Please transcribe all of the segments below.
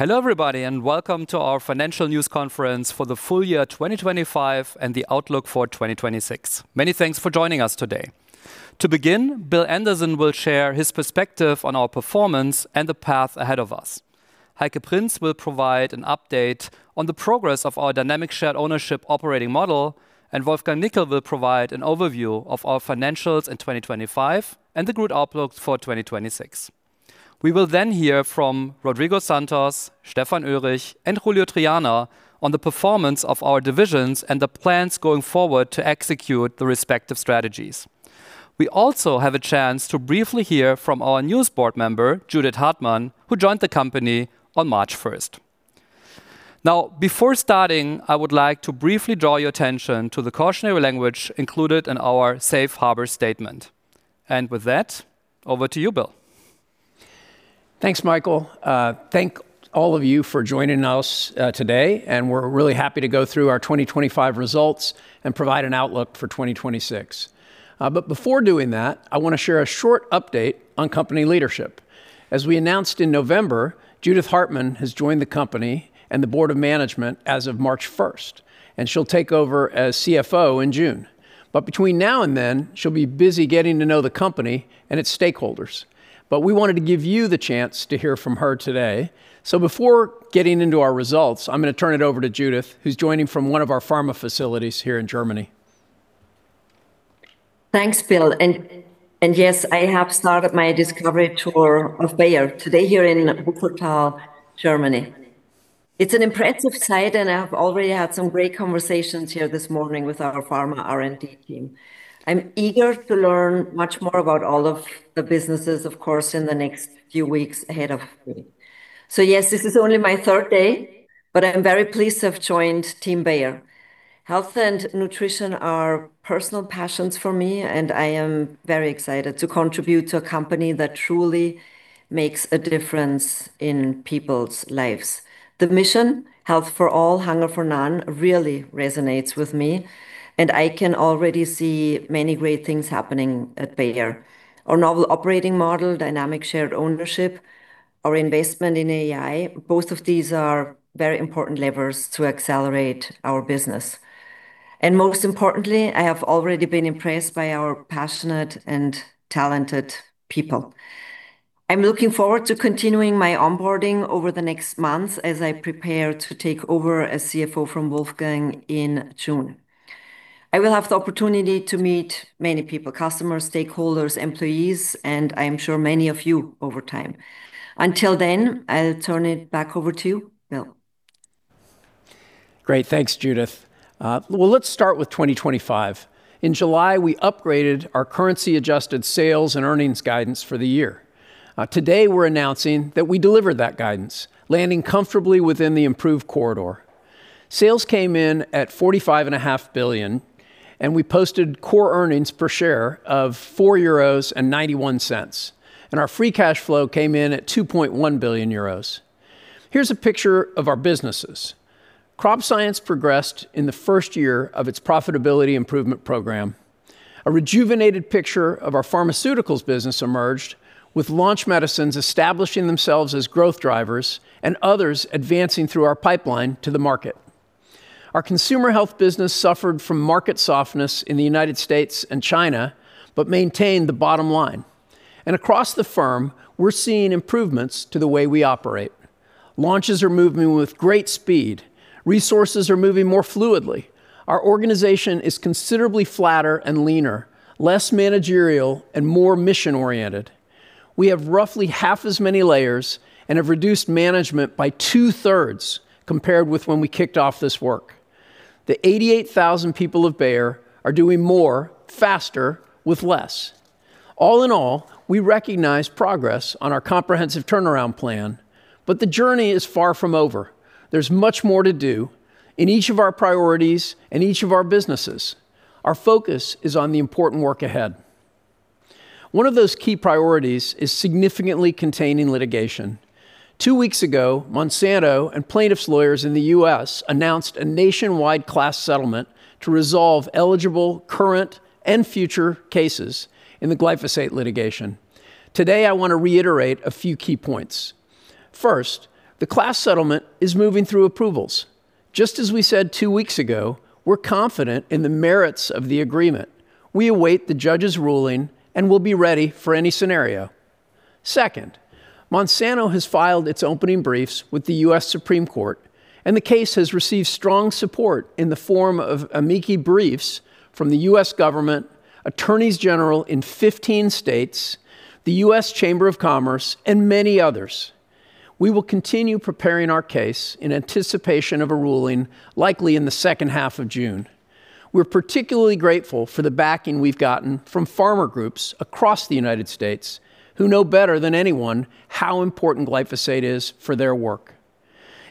Hello everybody and welcome to our financial news conference for the full year 2025 and the outlook for 2026. Many thanks for joining us today. To begin, Bill Anderson will share his perspective on our performance and the path ahead of us. Heike Prinz will provide an update on the progress of our Dynamic Shared Ownership operating model, and Wolfgang Nickl will provide an overview of our financials in 2025 and the growth outlook for 2026. We will then hear from Rodrigo Santos, Stefan Oelrich, and Julio Triana on the performance of our divisions and the plans going forward to execute the respective strategies. We also have a chance to briefly hear from our new board member, Judith Hartmann, who joined the company on March first. Now, before starting, I would like to briefly draw your attention to the cautionary language included in our safe harbor statement. With that, over to you, Bill. Thanks, Michael. thank all of you for joining us today. We're really happy to go through our 2025 results and provide an outlook for 2026. Before doing that, I wanna share a short update on company leadership. As we announced in November, Judith Hartmann has joined the company and the board of management as of March 1st. She'll take over as CFO in June. Between now and then, she'll be busy getting to know the company and its stakeholders. We wanted to give you the chance to hear from her today. Before getting into our results, I'm gonna turn it over to Judith, who's joining from one of our pharma facilities here in Germany. Thanks, Bill. Yes, I have started my discovery tour of Bayer today here in Wuppertal, Germany. It's an impressive site and I have already had some great conversations here this morning with our pharma R&D team. I'm eager to learn much more about all of the businesses, of course, in the next few weeks ahead of me. Yes, this is only my third day, but I'm very pleased to have joined Team Bayer. Health and nutrition are personal passions for me, and I am very excited to contribute to a company that truly makes a difference in people's lives. The mission, Health for All, Hunger for None, really resonates with me, and I can already see many great things happening at Bayer. Our novel operating model, Dynamic Shared Ownership, our investment in AI, both of these are very important levers to accelerate our business. Most importantly, I have already been impressed by our passionate and talented people. I'm looking forward to continuing my onboarding over the next month as I prepare to take over as CFO from Wolfgang in June. I will have the opportunity to meet many people, customers, stakeholders, employees, and I am sure many of you over time. Until then, I'll turn it back over to you, Bill. Great. Thanks, Judith. Well, let's start with 2025. In July, we upgraded our currency-adjusted sales and earnings guidance for the year. Today we're announcing that we delivered that guidance, landing comfortably within the improved corridor. Sales came in at 45.5 billion, we posted core earnings per share of 4.91 euros, our free cash flow came in at 2.1 billion euros. Here's a picture of our businesses. Crop Science progressed in the first year of its profitability improvement program. A rejuvenated picture of our pharmaceuticals business emerged, with launch medicines establishing themselves as growth drivers and others advancing through our pipeline to the market. Our Consumer Health business suffered from market softness in the United States and China, maintained the bottom line. Across the firm, we're seeing improvements to the way we operate. Launches are moving with great speed. Resources are moving more fluidly. Our organization is considerably flatter and leaner, less managerial and more mission-oriented. We have roughly half as many layers and have reduced management by two-thirds compared with when we kicked off this work. The 88,000 people of Bayer are doing more, faster, with less. All in all, we recognize progress on our comprehensive turnaround plan, but the journey is far from over. There's much more to do in each of our priorities and each of our businesses. Our focus is on the important work ahead. One of those key priorities is significantly containing litigation. Two weeks ago, Monsanto and plaintiffs' lawyers in the U.S. announced a nationwide class settlement to resolve eligible current and future cases in the glyphosate litigation. Today, I wanna reiterate a few key points. First, the class settlement is moving through approvals. Just as we said two weeks ago, we're confident in the merits of the agreement. We await the judge's ruling, and we'll be ready for any scenario. Second, Monsanto has filed its opening briefs with the U.S. Supreme Court, and the case has received strong support in the form of amicus briefs from the U.S. government, attorneys general in 15 states, the U.S. Chamber of Commerce, and many others. We will continue preparing our case in anticipation of a ruling likely in the second half of June. We're particularly grateful for the backing we've gotten from farmer groups across the United States who know better than anyone how important glyphosate is for their work.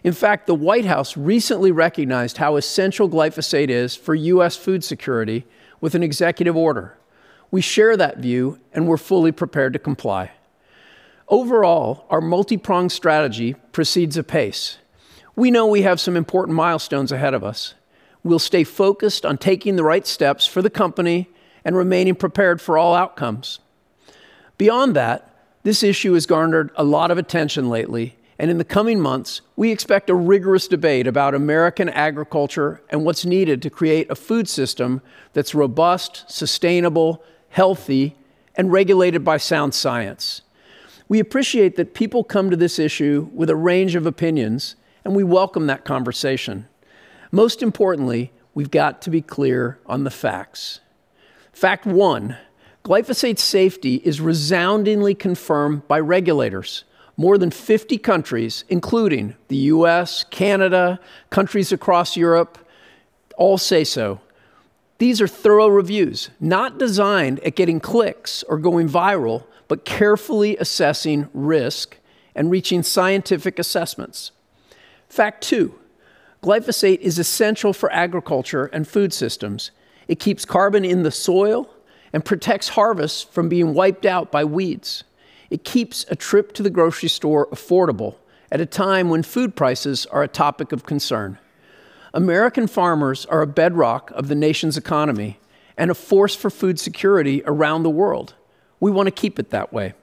In fact, the White House recently recognized how essential glyphosate is for U.S. food security with an executive order. We share that view, and we're fully prepared to comply. Overall, our multi-pronged strategy proceeds apace. We know we have some important milestones ahead of us. We'll stay focused on taking the right steps for the company and remaining prepared for all outcomes. Beyond that, this issue has garnered a lot of attention lately, and in the coming months, we expect a rigorous debate about American agriculture and what's needed to create a food system that's robust, sustainable, healthy, and regulated by sound science. We appreciate that people come to this issue with a range of opinions, and we welcome that conversation. Most importantly, we've got to be clear on the facts. Fact one, glyphosate safety is resoundingly confirmed by regulators. More than 50 countries, including the U.S., Canada, countries across Europe, all say so. These are thorough reviews, not designed at getting clicks or going viral, but carefully assessing risk and reaching scientific assessments. Fact two, glyphosate is essential for agriculture and food systems. It keeps carbon in the soil and protects harvests from being wiped out by weeds. It keeps a trip to the grocery store affordable at a time when food prices are a topic of concern. American farmers are a bedrock of the nation's economy and a force for food security around the world. We wanna keep it that way.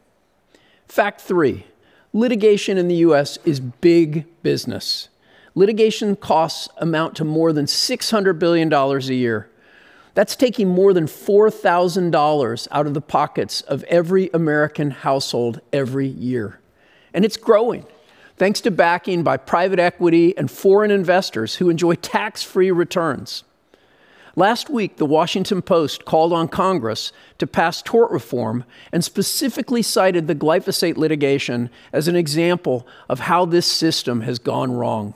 Fact three, litigation in the U.S. is big business. Litigation costs amount to more than $600 billion a year. That's taking more than $4,000 out of the pockets of every American household every year, and it's growing thanks to backing by private equity and foreign investors who enjoy tax-free returns. Last week, The Washington Post called on Congress to pass tort reform and specifically cited the glyphosate litigation as an example of how this system has gone wrong.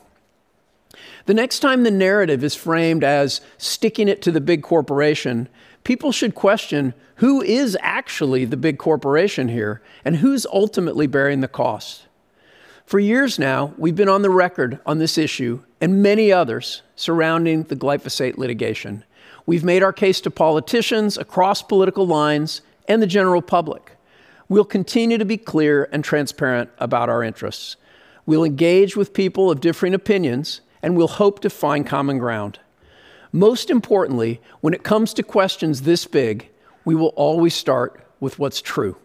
The next time the narrative is framed as sticking it to the big corporation, people should question who is actually the big corporation here, and who's ultimately bearing the cost. For years now, we've been on the record on this issue and many others surrounding the glyphosate litigation. We've made our case to politicians across political lines and the general public. We'll continue to be clear and transparent about our interests. We'll engage with people of differing opinions, and we'll hope to find common ground. Most importantly, when it comes to questions this big, we will always start with what's true.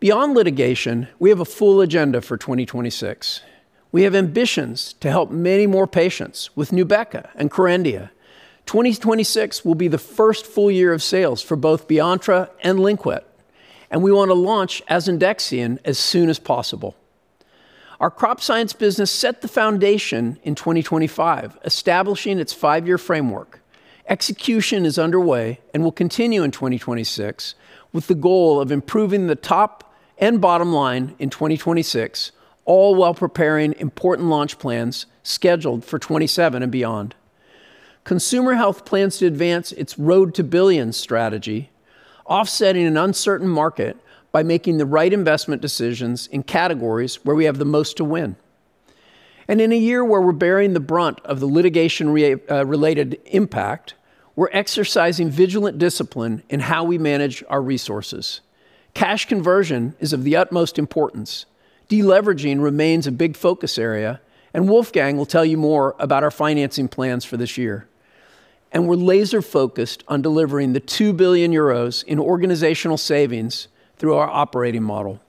Beyond litigation, we have a full agenda for 2026. We have ambitions to help many more patients with Nubeqa and Kerendia. 2026 will be the first full year of sales for both Beontra and Lynkuet, and we want to launch asundexian as soon as possible. Our Crop Science business set the foundation in 2025, establishing its five year framework. Execution is underway and will continue in 2026 with the goal of improving the top and bottom line in 2026, all while preparing important launch plans scheduled for 2027 and beyond. Consumer Health plans to advance its Road to Billions strategy, offsetting an uncertain market by making the right investment decisions in categories where we have the most to win. In a year where we're bearing the brunt of the litigation related impact, we're exercising vigilant discipline in how we manage our resources. Cash conversion is of the utmost importance. Deleveraging remains a big focus area. Wolfgang will tell you more about our financing plans for this year. We're laser-focused on delivering the 2 billion euros in organizational savings through our operating model.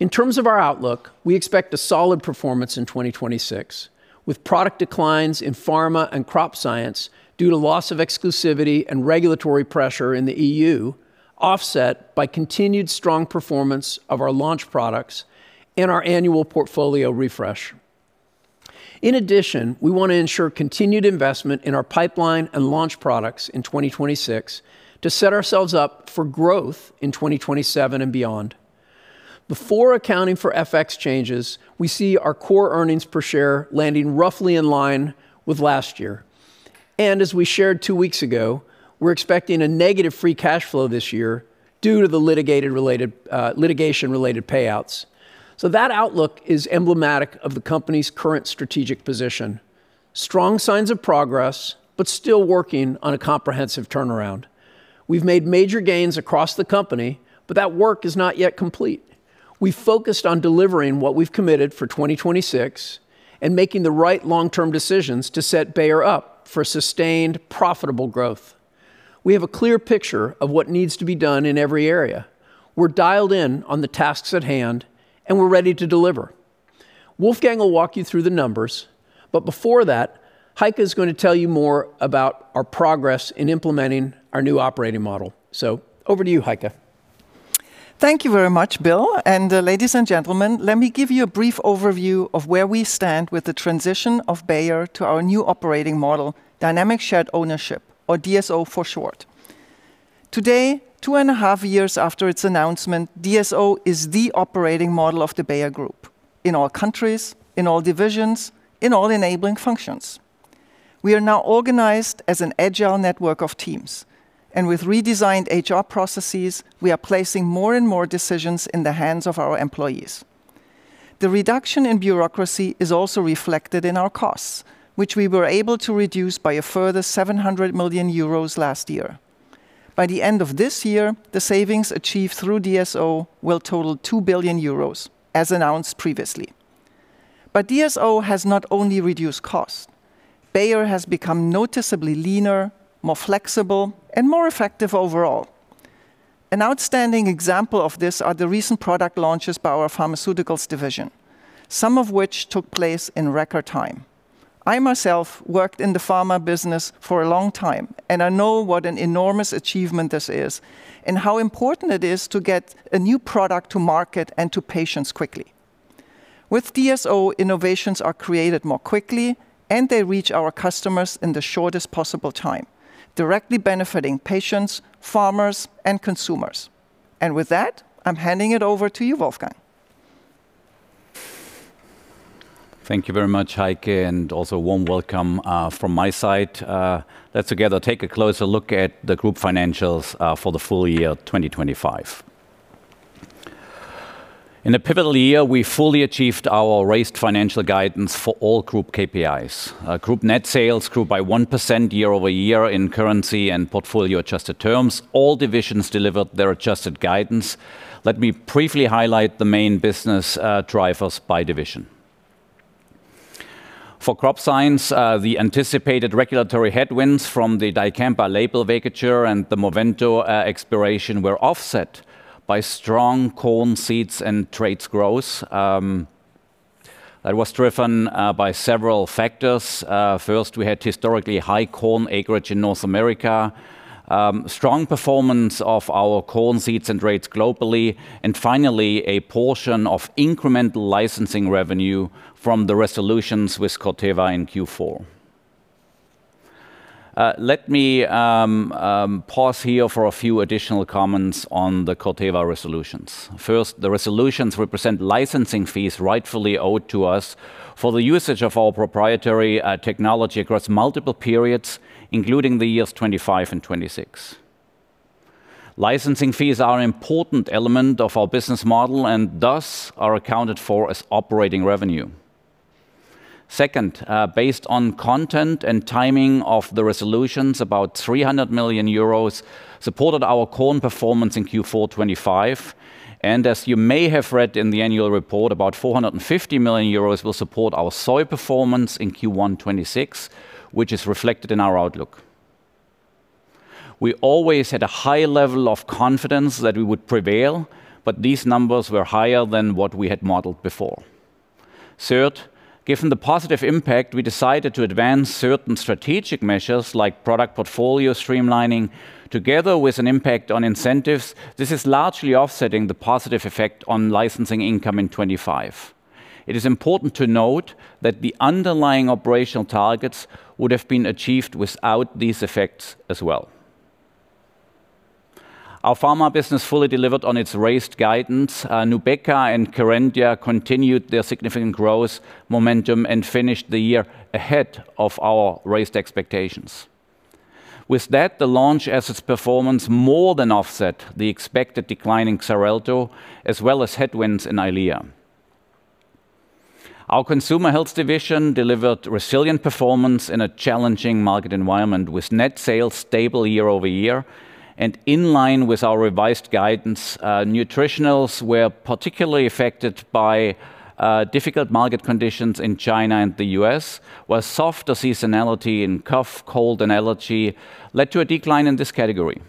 In terms of our outlook, we expect a solid performance in 2026, with product declines in pharma and Crop Science due to loss of exclusivity and regulatory pressure in the EU offset by continued strong performance of our launch products and our annual portfolio refresh. In addition, we want to ensure continued investment in our pipeline and launch products in 2026 to set ourselves up for growth in 2027 and beyond. Before accounting for FX changes, we see our core earnings per share landing roughly in line with last year. As we shared two weeks ago, we're expecting a negative free cash flow this year due to the litigated related litigation related payouts. That outlook is emblematic of the company's current strategic position. Strong signs of progress, but still working on a comprehensive turnaround. We've made major gains across the company. That work is not yet complete. We've focused on delivering what we've committed for 2026 and making the right long-term decisions to set Bayer up for sustained, profitable growth. We have a clear picture of what needs to be done in every area. We're dialed in on the tasks at hand, and we're ready to deliver. Wolfgang will walk you through the numbers. Before that, Heike is going to tell you more about our progress in implementing our new operating model. Over to you, Heike. Thank you very much, Bill. Ladies and gentlemen, let me give you a brief overview of where we stand with the transition of Bayer to our new operating model, Dynamic Shared Ownership, or DSO for short. Today, two and a half years after its announcement, DSO is the operating model of the Bayer Group in all countries, in all divisions, in all enabling functions. We are now organized as an agile network of teams, with redesigned HR processes, we are placing more and more decisions in the hands of our employees. The reduction in bureaucracy is also reflected in our costs, which we were able to reduce by a further 700 million euros last year. By the end of this year, the savings achieved through DSO will total 2 billion euros, as announced previously. DSO has not only reduced cost, Bayer has become noticeably leaner, more flexible, and more effective overall. An outstanding example of this are the recent product launches by our Pharmaceuticals Division, some of which took place in record time. I myself worked in the pharma business for a long time, and I know what an enormous achievement this is and how important it is to get a new product to market and to patients quickly. With DSO, innovations are created more quickly and they reach our customers in the shortest possible time, directly benefiting patients, farmers, and consumers. With that, I'm handing it over to you, Wolfgang. Thank you very much, Heike. Also warm welcome from my side. Let's together take a closer look at the group financials for the full year 2025. In a pivotal year, we fully achieved our raised financial guidance for all group KPIs. Group net sales grew by 1% year-over-year in currency and portfolio-adjusted terms. All divisions delivered their adjusted guidance. Let me briefly highlight the main business drivers by division. For Crop Science, the anticipated regulatory headwinds from the dicamba label vacatur and the Movento expiration were offset by strong corn seeds and trades growth. That was driven by several factors. First, we had historically high corn acreage in North America. Strong performance of our corn seeds and trades globally. Finally, a portion of incremental licensing revenue from the resolutions with Corteva in Q4. Let me pause here for a few additional comments on the Corteva resolutions. First, the resolutions represent licensing fees rightfully owed to us for the usage of our proprietary technology across multiple periods, including the years 2025 and 2026. Licensing fees are an important element of our business model and thus are accounted for as operating revenue. Second, based on content and timing of the resolutions, about 300 million euros supported our corn performance in Q4 2025. As you may have read in the annual report, about 450 million euros will support our soy performance in Q1 2026, which is reflected in our outlook. We always had a high level of confidence that we would prevail, but these numbers were higher than what we had modeled before. Third, given the positive impact, we decided to advance certain strategic measures like product portfolio streamlining together with an impact on incentives. This is largely offsetting the positive effect on licensing income in 25. It is important to note that the underlying operational targets would have been achieved without these effects as well. Our pharma business fully delivered on its raised guidance. Nubeqa and Kerendia continued their significant growth momentum and finished the year ahead of our raised expectations. The launch assets performance more than offset the expected decline in Xarelto as well as headwinds in EYLEA. Our Consumer Health division delivered resilient performance in a challenging market environment with net sales stable year-over-year and in line with our revised guidance. Nutritionals were particularly affected by difficult market conditions in China and the U.S., where softer seasonality in cough, cold, and allergy led to a decline in this category.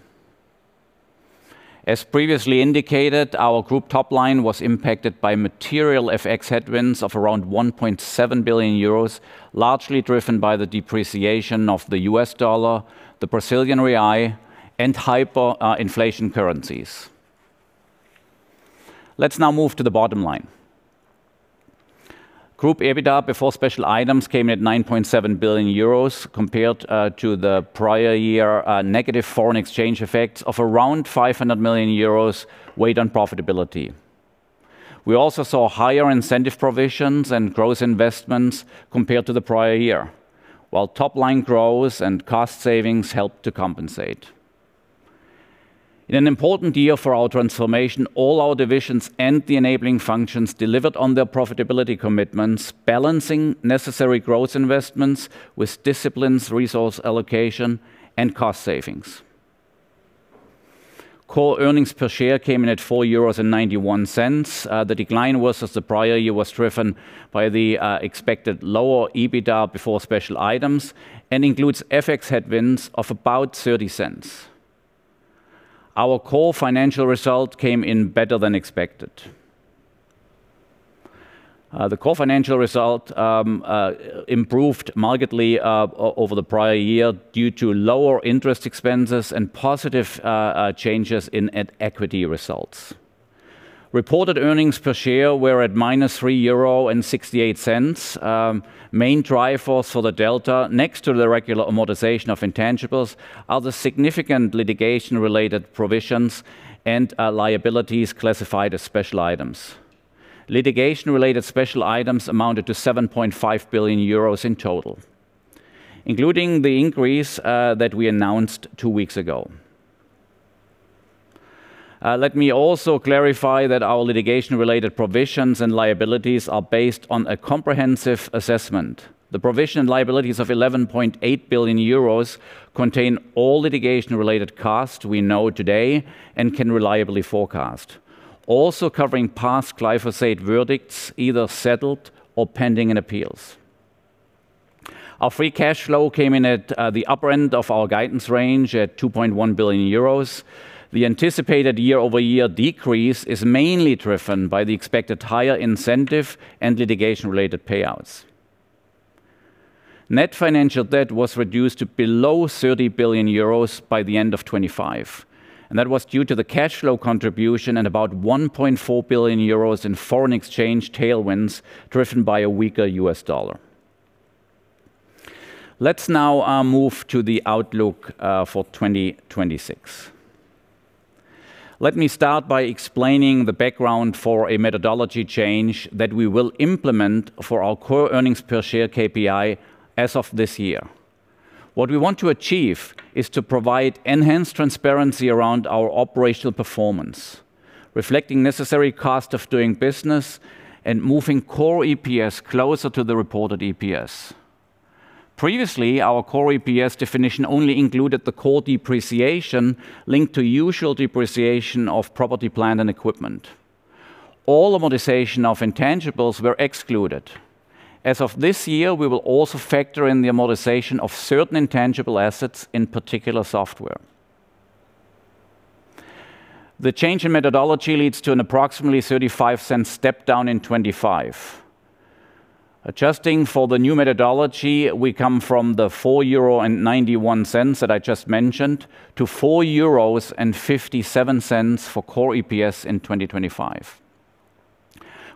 As previously indicated, our group top line was impacted by material FX headwinds of around 1.7 billion euros, largely driven by the depreciation of the U.S. dollar, the Brazilian real, and hyper inflation currencies. Let's now move to the bottom line. Group EBITDA before special items came in at 9.7 billion euros compared to the prior year, negative foreign exchange effects of around 500 million euros weighed on profitability. We also saw higher incentive provisions and gross investments compared to the prior year, while top-line growth and cost savings helped to compensate. In an important year for our transformation, all our divisions and the enabling functions delivered on their profitability commitments, balancing necessary growth investments with disciplines, resource allocation, and cost savings. Core earnings per share came in at 4.91 euros. The decline versus the prior year was driven by the expected lower EBITDA before special items and includes FX headwinds of about 0.30. Our core financial result came in better than expected. The core financial result improved markedly over the prior year due to lower interest expenses and positive changes in equity results. Reported earnings per share were at -3.68 euro. Main drivers for the delta next to the regular amortization of intangibles are the significant litigation-related provisions and liabilities classified as special items. Litigation-related special items amounted to 7.5 billion euros in total, including the increase that we announced two weeks ago. Let me also clarify that our litigation-related provisions and liabilities are based on a comprehensive assessment. The provision and liabilities of 11.8 billion euros contain all litigation-related costs we know today and can reliably forecast. Also covering past glyphosate verdicts either settled or pending in appeals. Our free cash flow came in at the upper end of our guidance range at 2.1 billion euros. The anticipated year-over-year decrease is mainly driven by the expected higher incentive and litigation-related payouts. Net financial debt was reduced to below 30 billion euros by the end of 2025, and that was due to the cash flow contribution and about 1.4 billion euros in foreign exchange tailwinds driven by a weaker U.S. dollar. Let's now move to the outlook for 2026. Let me start by explaining the background for a methodology change that we will implement for our core earnings per share KPI as of this year. What we want to achieve is to provide enhanced transparency around our operational performance, reflecting necessary cost of doing business and moving core EPS closer to the reported EPS. Previously, our core EPS definition only included the core depreciation linked to usual depreciation of property, plant, and equipment. All amortization of intangibles were excluded. As of this year, we will also factor in the amortization of certain intangible assets, in particular software. The change in methodology leads to an approximately 0.35 step-down in 2025. Adjusting for the new methodology, we come from 4.91 euro that I just mentioned to 4.57 euros for core EPS in 2025.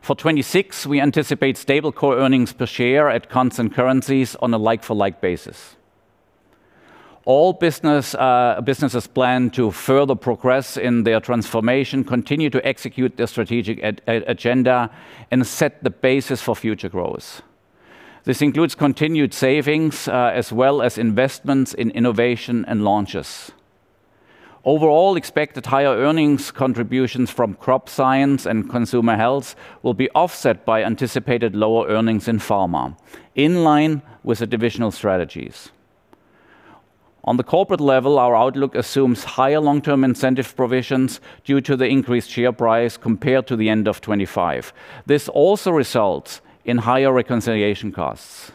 For 2026, we anticipate stable core earnings per share at constant currencies on a like-for-like basis. All businesses plan to further progress in their transformation, continue to execute their strategic agenda, and set the basis for future growth. This includes continued savings as well as investments in innovation and launches. Overall, expected higher earnings contributions from Crop Science and Consumer Health will be offset by anticipated lower earnings in Pharma, in line with the divisional strategies. On the corporate level, our outlook assumes higher long-term incentive provisions due to the increased share price compared to the end of 2025. This also results in higher reconciliation costs.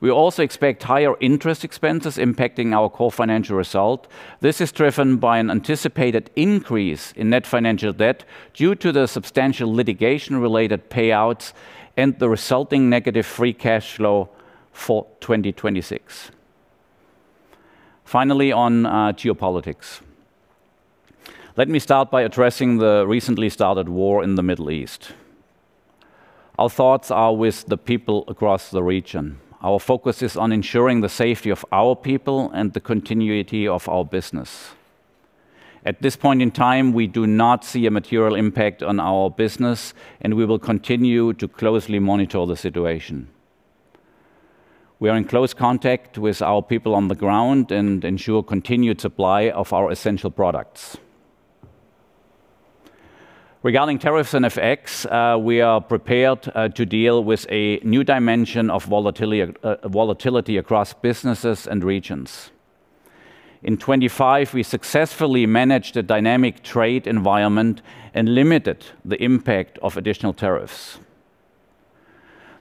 We also expect higher interest expenses impacting our core financial result. This is driven by an anticipated increase in net financial debt due to the substantial litigation-related payouts and the resulting negative free cash flow for 2026. On geopolitics. Let me start by addressing the recently started war in the Middle East. Our thoughts are with the people across the region. Our focus is on ensuring the safety of our people and the continuity of our business. At this point in time, we do not see a material impact on our business, and we will continue to closely monitor the situation. We are in close contact with our people on the ground and ensure continued supply of our essential products. Regarding tariffs and FX, we are prepared to deal with a new dimension of volatility across businesses and regions. In 25, we successfully managed a dynamic trade environment and limited the impact of additional tariffs.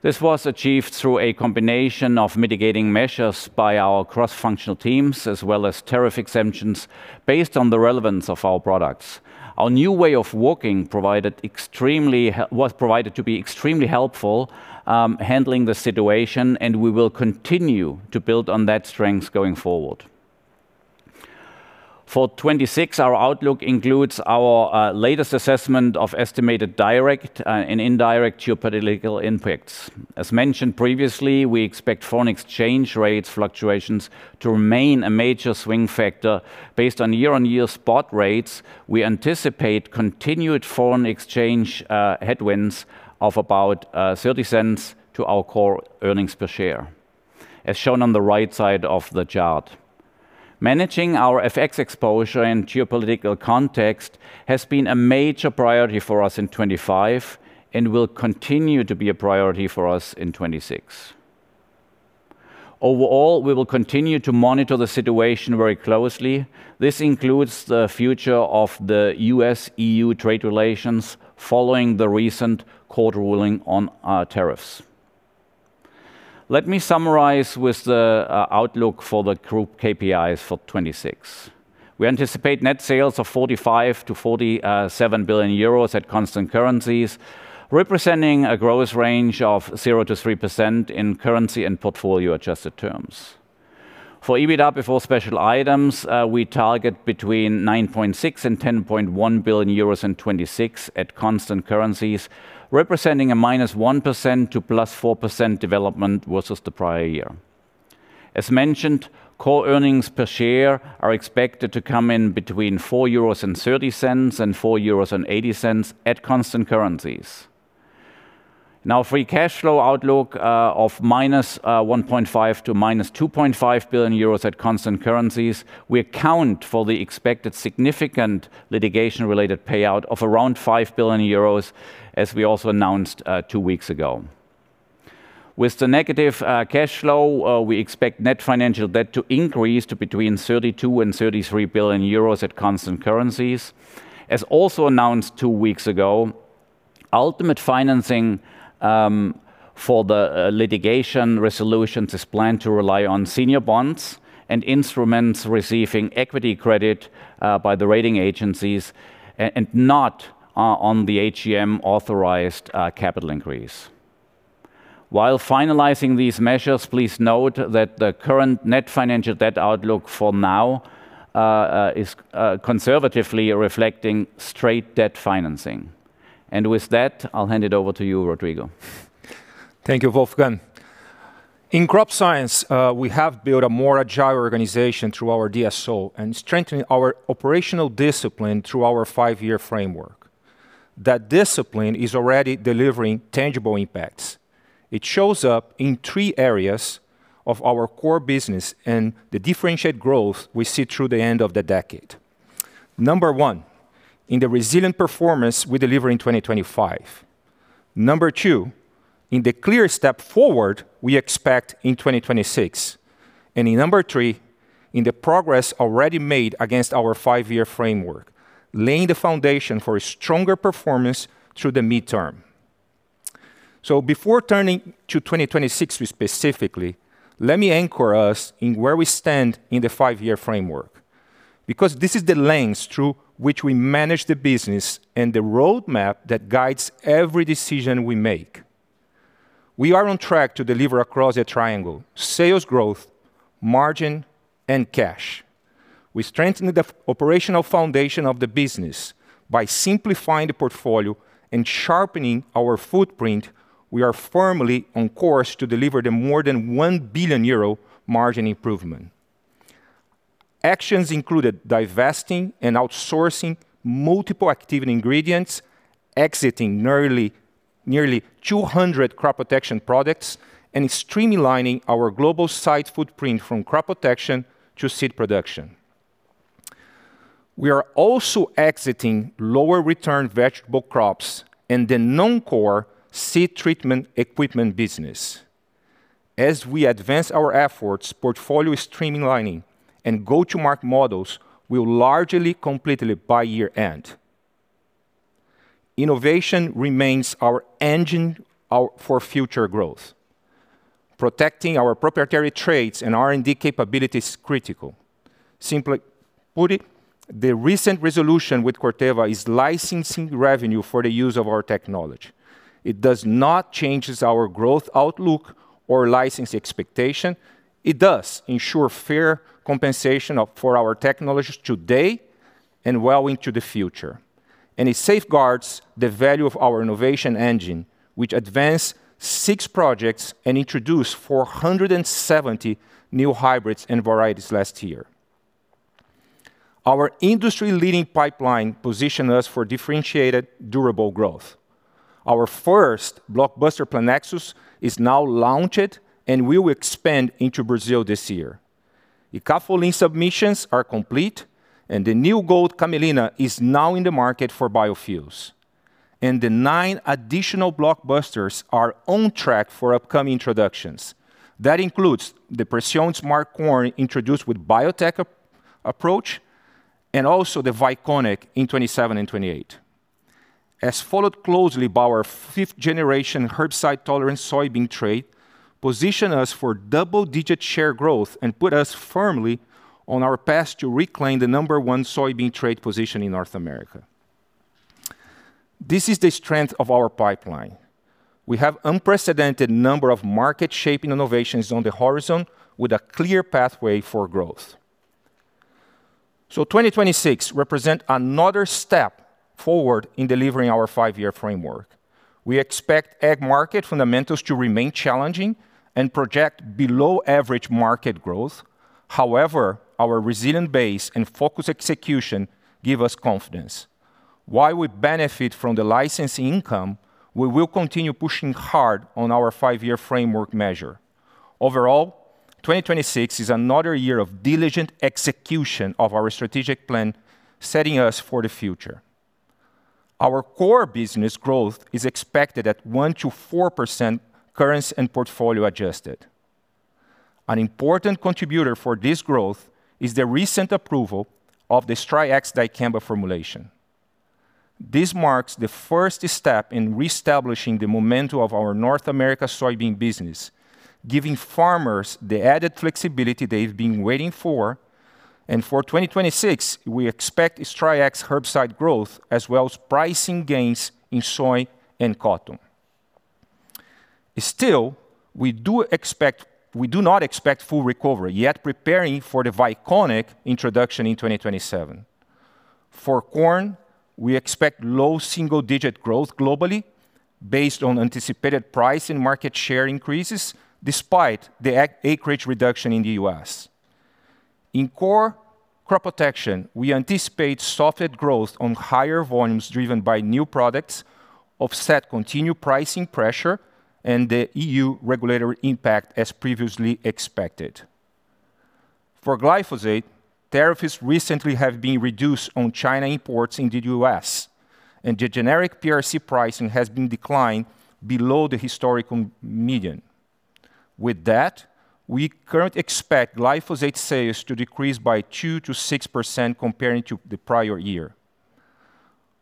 This was achieved through a combination of mitigating measures by our cross-functional teams as well as tariff exemptions based on the relevance of our products. Our new way of working was provided to be extremely helpful handling the situation. We will continue to build on that strength going forward. For 26, our outlook includes our latest assessment of estimated direct and indirect geopolitical impacts. As mentioned previously, we expect foreign exchange rates fluctuations to remain a major swing factor. Based on year-on-year spot rates, we anticipate continued foreign exchange headwinds of about $0.30 to our core earnings per share, as shown on the right side of the chart. Managing our FX exposure and geopolitical context has been a major priority for us in 2025 and will continue to be a priority for us in 2026. We will continue to monitor the situation very closely. This includes the future of the U.S.-E.U. trade relations following the recent court ruling on tariffs. Let me summarize with the outlook for the group KPIs for 2026. We anticipate net sales of 45 billion-47 billion euros at constant currencies, representing a growth range of 0%-3% in currency and portfolio adjusted terms. For EBITA before special items, we target between 9.6 billion and 10.1 billion euros in 2026 at constant currencies, representing a -1% to +4% development versus the prior year. As mentioned, core earnings per share are expected to come in between 4.30 euros and 4.80 euros at constant currencies. In our free cash flow outlook of -1.5 billion to -2.5 billion euros at constant currencies, we account for the expected significant litigation-related payout of around 5 billion euros, as we also announced two weeks ago. With the negative cash flow, we expect net financial debt to increase to between 32 billion and 33 billion euros at constant currencies. As also announced two weeks ago, ultimate financing for the litigation resolutions is planned to rely on senior bonds and instruments receiving equity credit by the rating agencies and not on the AGM authorized capital increase. While finalizing these measures, please note that the current net financial debt outlook for now, is conservatively reflecting straight debt financing. With that, I'll hand it over to you, Rodrigo. Thank you, Wolfgang. In Crop Science, we have built a more agile organization through our DSO and strengthening our operational discipline through our five-year framework. That discipline is already delivering tangible impacts. It shows up in three areas of our core business and the differentiated growth we see through the end of the decade. Number one, in the resilient performance we deliver in 2025. Number two, in the clear step forward we expect in 2026. In number three, in the progress already made against our five-year framework, laying the foundation for a stronger performance through the midterm. Before turning to 2026 specifically, let me anchor us in where we stand in the five-year framework because this is the lens through which we manage the business and the roadmap that guides every decision we make. We are on track to deliver across a triangle: sales growth, margin, and cash. We strengthen the operational foundation of the business by simplifying the portfolio and sharpening our footprint. We are firmly on course to deliver the more than 1 billion euro margin improvement. Actions included divesting and outsourcing multiple active ingredients, exiting nearly 200 crop protection products, and streamlining our global site footprint from crop protection to seed production. We are also exiting lower return vegetable crops and the non-core seed treatment equipment business. As we advance our efforts, portfolio streamlining and go-to-market models will largely complete by year-end. Innovation remains our engine for future growth. Protecting our proprietary trades and R&D capability is critical. Simply put it, the recent resolution with Corteva is licensing revenue for the use of our technology. It does not change our growth outlook or license expectation. It does ensure fair compensation for our technologies today and well into the future. It safeguards the value of our innovation engine, which advanced six projects and introduced 470 new hybrids and varieties last year. Our industry-leading pipeline position us for differentiated durable growth. Our first blockbuster Preceon is now launched and will expand into Brazil this year. Icafolin submissions are complete and the new CoverCress is now in the market for biofuels. The nine additional blockbusters are on track for upcoming introductions. That includes the Precision Smart Corn introduced with biotech approach and also the Victrato in 2027 and 2028. Followed closely by our 5th generation herbicide-tolerant soybean trait position us for double-digit share growth and put us firmly on our path to reclaim the number 1 soybean trait position in North America. This is the strength of our pipeline. We have unprecedented number of market-shaping innovations on the horizon with a clear pathway for growth. 2026 represent another step forward in delivering our five-year framework. We expect ag market fundamentals to remain challenging and project below average market growth. However, our resilient base and focused execution give us confidence. While we benefit from the licensing income, we will continue pushing hard on our five-year framework measure. Overall, 2026 is another year of diligent execution of our strategic plan, setting us for the future. Our core business growth is expected at 1%-4% currency and portfolio adjusted. An important contributor for this growth is the recent approval of the XtendiMax dicamba formulation. This marks the first step in reestablishing the momentum of our North America soybean business, giving farmers the added flexibility they've been waiting for. For 2026, we expect XtendiMax herbicide growth as well as pricing gains in soy and cotton. Still, we do not expect full recovery, yet preparing for the Victrato introduction in 2027. For corn, we expect low single-digit growth globally based on anticipated price and market share increases despite the acreage reduction in the U.S. In core crop protection, we anticipate softened growth on higher volumes driven by new products, offset continued pricing pressure and the E.U. regulatory impact as previously expected. For glyphosate, tariffs recently have been reduced on China imports in the U.S., and the generic PRC pricing has been declined below the historical median. With that, we currently expect glyphosate sales to decrease by 2%-6% comparing to the prior year.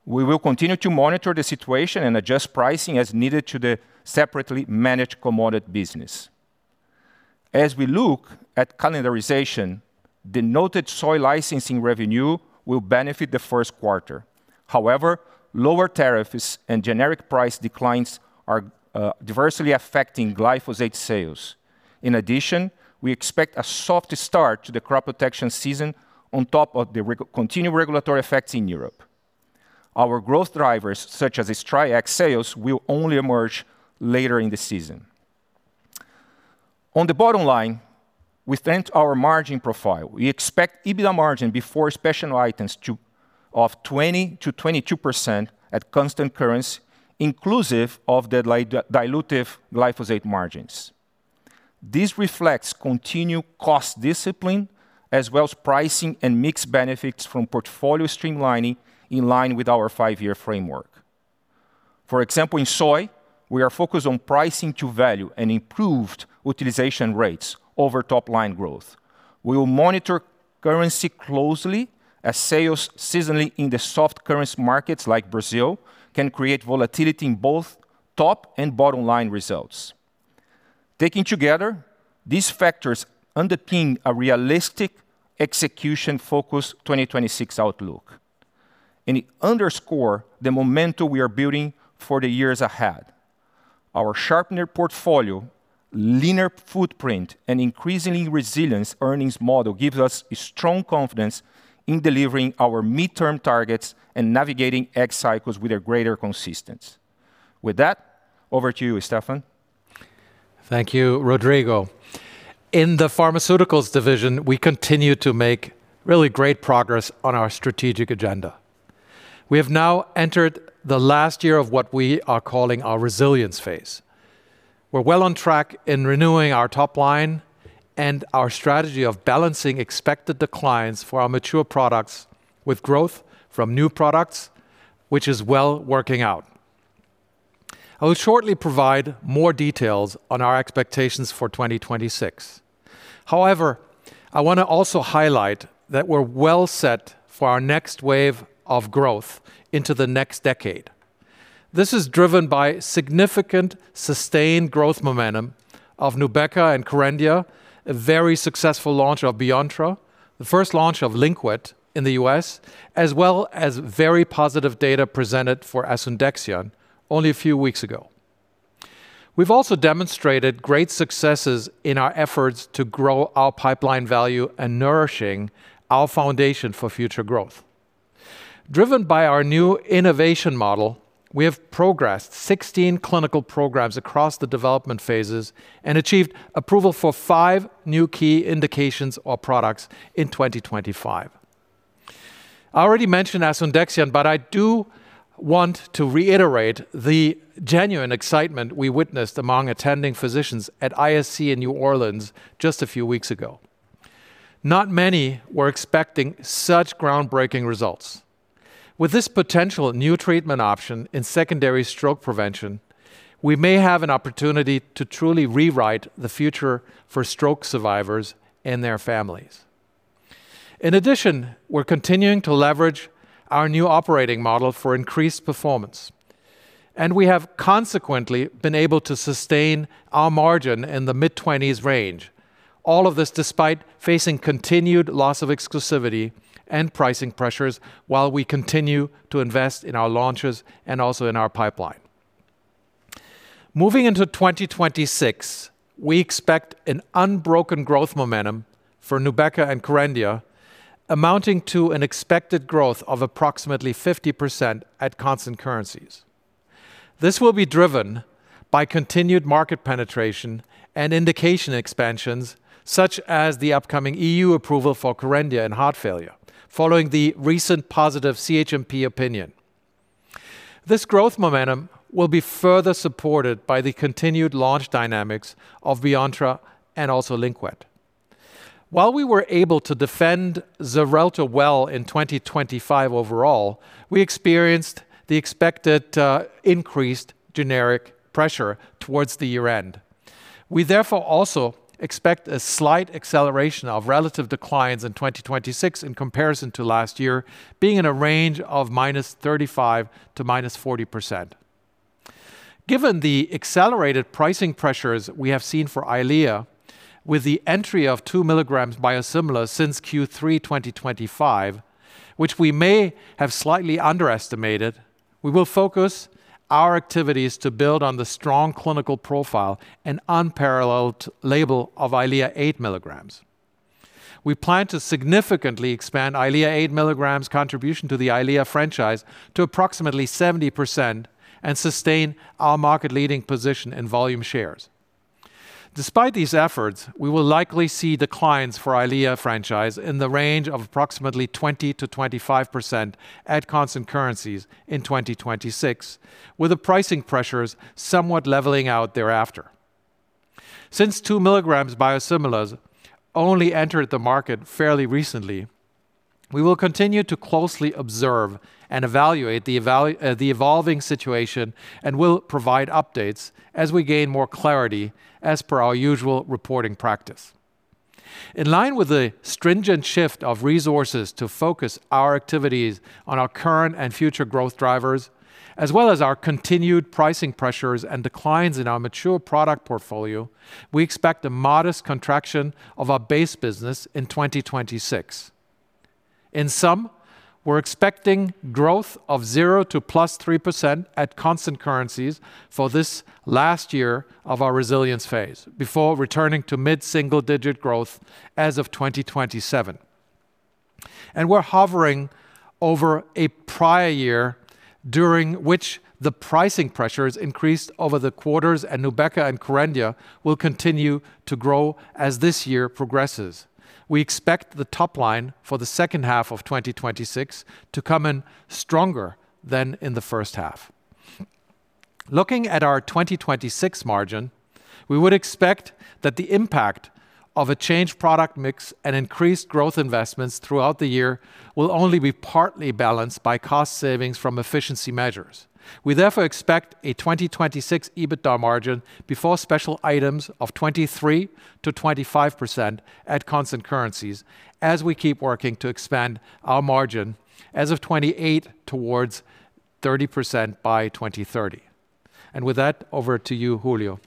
We will continue to monitor the situation and adjust pricing as needed to the separately managed commodity business. As we look at calendarization, the noted soy licensing revenue will benefit the first quarter. However, lower tariffs and generic price declines are diversely affecting glyphosate sales. In addition, we expect a soft start to the crop protection season on top of the continued regulatory effects in Europe. Our growth drivers, such as Triact sales, will only emerge later in the season. On the bottom line, we strengthened our margin profile. We expect EBITA margin before special items of 20%-22% at constant currency inclusive of the dilutive glyphosate margins. This reflects continued cost discipline as well as pricing and mixed benefits from portfolio streamlining in line with our five-year framework. For example, in soy, we are focused on pricing to value and improved utilization rates over top line growth. We will monitor currency closely as sales seasonally in the soft currency markets like Brazil can create volatility in both top and bottom line results. Taken together, these factors underpin a realistic execution focused 2026 outlook, and it underscore the momentum we are building for the years ahead. Our sharpener portfolio, leaner footprint, and increasingly resilience earnings model gives us a strong confidence in delivering our midterm targets and navigating X cycles with a greater consistency. With that, over to you, Stefan. Thank you, Rodrigo. In the Pharmaceuticals Division, we continue to make really great progress on our strategic agenda. We have now entered the last year of what we are calling our resilience phase. We're well on track in renewing our top line and our strategy of balancing expected declines for our mature products with growth from new products, which is well working out. I will shortly provide more details on our expectations for 2026. I wanna also highlight that we're well set for our next wave of growth into the next decade. This is driven by significant sustained growth momentum of Nubeqa and Kerendia, a very successful launch of Beontra, the first launch of Lynkuet in the U.S., as well as very positive data presented for asundexian only a few weeks ago. We've also demonstrated great successes in our efforts to grow our pipeline value and nourishing our foundation for future growth. Driven by our new innovation model, we have progressed 16 clinical programs across the development phases and achieved approval for 5 new key indications or products in 2025. I already mentioned asundexian, but I do want to reiterate the genuine excitement we witnessed among attending physicians at ISC in New Orleans just a few weeks ago. Not many were expecting such groundbreaking results. With this potential new treatment option in secondary stroke prevention, we may have an opportunity to truly rewrite the future for stroke survivors and their families. In addition, we're continuing to leverage our new operating model for increased performance, and we have consequently been able to sustain our margin in the mid-20s range. All of this despite facing continued loss of exclusivity and pricing pressures while we continue to invest in our launches and also in our pipeline. Moving into 2026, we expect an unbroken growth momentum for Nubeqa and Kerendia amounting to an expected growth of approximately 50% at constant currencies. This will be driven by continued market penetration and indication expansions such as the upcoming EU approval for Kerendia in heart failure following the recent positive CHMP opinion. This growth momentum will be further supported by the continued launch dynamics of Beontra and also Lynkuet. While we were able to defend Xarelto well in 2025 overall, we experienced the expected increased generic pressure towards the year-end. We therefore also expect a slight acceleration of relative declines in 2026 in comparison to last year being in a range of -35% to -40%. Given the accelerated pricing pressures we have seen for EYLEA with the entry of 2 mg biosimilar since Q3 2025, which we may have slightly underestimated, we will focus our activities to build on the strong clinical profile and unparalleled label of EYLEA 8 mg. We plan to significantly expand EYLEA 8 mg contribution to the EYLEA franchise to approximately 70% and sustain our market leading position in volume shares. Despite these efforts, we will likely see declines for EYLEA franchise in the range of approximately 20%-25% at constant currencies in 2026, with the pricing pressures somewhat leveling out thereafter. Two milligrams biosimilars only entered the market fairly recently. We will continue to closely observe and evaluate the evolving situation and will provide updates as we gain more clarity as per our usual reporting practice. In line with the stringent shift of resources to focus our activities on our current and future growth drivers, as well as our continued pricing pressures and declines in our mature product portfolio, we expect a modest contraction of our base business in 2026. In sum, we're expecting growth of 0 to +3% at constant currencies for this last year of our resilience phase before returning to mid-single digit growth as of 2027. We're hovering over a prior year during which the pricing pressures increased over the quarters and Nubeqa and Kerendia will continue to grow as this year progresses. We expect the top line for the second half of 2026 to come in stronger than in the first half. Looking at our 2026 margin, we would expect that the impact of a changed product mix and increased growth investments throughout the year will only be partly balanced by cost savings from efficiency measures. We therefore expect a 2026 EBITDA margin before special items of 23%-25% at constant currencies as we keep working to expand our margin as of 2028 towards 30% by 2030. With that, over to you, Julio.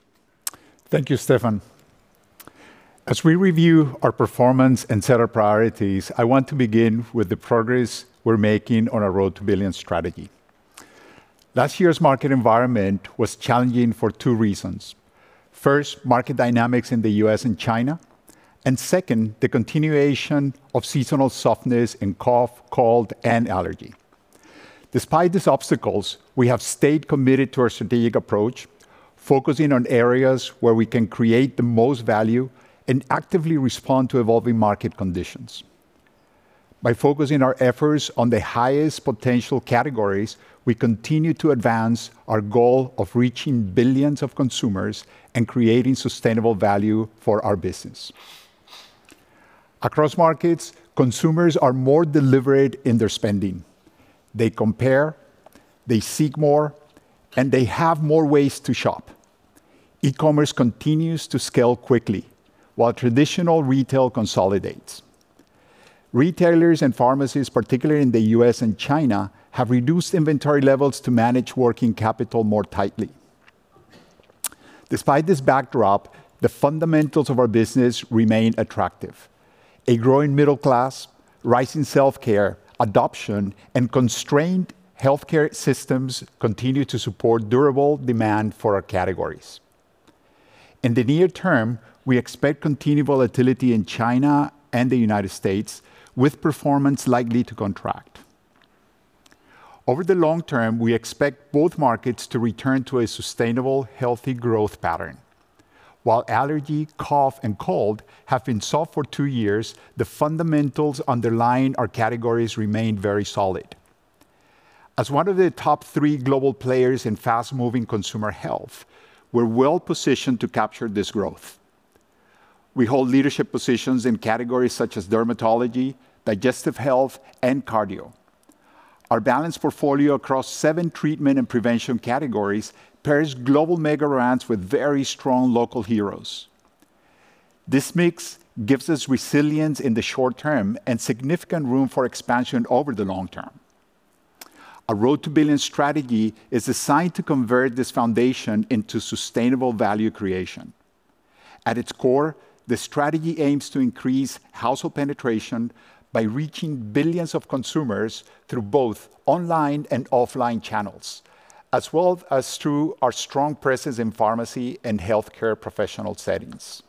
Thank you, Stefan. As we review our performance and set our priorities, I want to begin with the progress we're making on our Road to Billions strategy. Last year's market environment was challenging for two reasons. First, market dynamics in the U.S. and China, and second, the continuation of seasonal softness in cough, cold, and allergy. Despite these obstacles, we have stayed committed to our strategic approach, focusing on areas where we can create the most value and actively respond to evolving market conditions. By focusing our efforts on the highest potential categories, we continue to advance our goal of reaching billions of consumers and creating sustainable value for our business. Across markets, consumers are more deliberate in their spending. They compare, they seek more, and they have more ways to shop. E-commerce continues to scale quickly while traditional retail consolidates. Retailers and pharmacies, particularly in the U.S. and China, have reduced inventory levels to manage working capital more tightly. Despite this backdrop, the fundamentals of our business remain attractive. A growing middle class, rising self-care adoption, and constrained healthcare systems continue to support durable demand for our categories. In the near term, we expect continued volatility in China and the United States, with performance likely to contract. Over the long term, we expect both markets to return to a sustainable, healthy growth pattern. While allergy, cough, and cold have been soft for two years, the fundamentals underlying our categories remain very solid. As one of the top three global players in fast-moving Consumer Health, we're well-positioned to capture this growth. We hold leadership positions in categories such as dermatology, digestive health, and cardio. Our balanced portfolio across seven treatment and prevention categories pairs global mega brands with very strong local heroes. This mix gives us resilience in the short term and significant room for expansion over the long term. Our Road to Billions strategy is designed to convert this foundation into sustainable value creation. At its core, the strategy aims to increase household penetration by reaching billions of consumers through both online and offline channels, as well as through our strong presence in pharmacy and healthcare professional settings.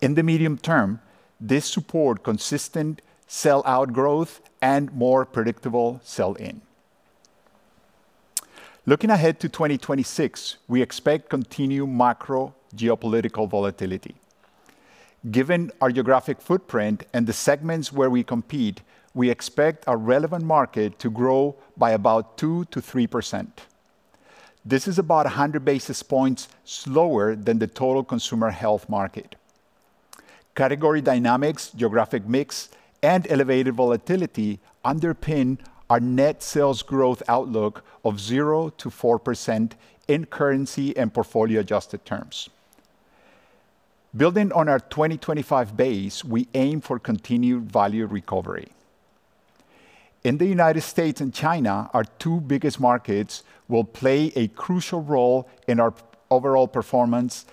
In the medium term, this support consistent sell out growth and more predictable sell in. Looking ahead to 2026, we expect continued macro geopolitical volatility. Given our geographic footprint and the segments where we compete, we expect our relevant market to grow by about 2%-3%. This is about 100 basis points slower than the total Consumer Health market. Category dynamics, geographic mix, and elevated volatility underpin our net sales growth outlook of 0%-4% in currency and portfolio adjusted terms. Building on our 2025 base, we aim for continued value recovery. In the United States and China, our two biggest markets will play a crucial role in our overall performance.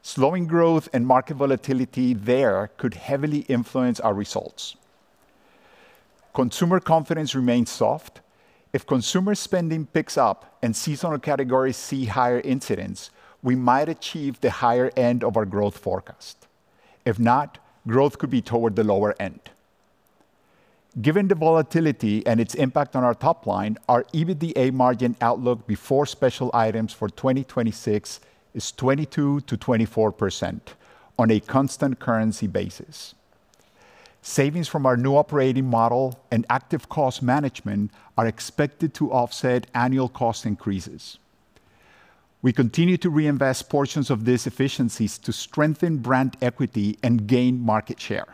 Slowing growth and market volatility there could heavily influence our results. Consumer confidence remains soft. If consumer spending picks up and seasonal categories see higher incidents, we might achieve the higher end of our growth forecast. If not, growth could be toward the lower end. Given the volatility and its impact on our top line, our EBITDA margin outlook before special items for 2026 is 22%-24% on a constant currency basis. Savings from our new operating model and active cost management are expected to offset annual cost increases. We continue to reinvest portions of these efficiencies to strengthen brand equity and gain market share.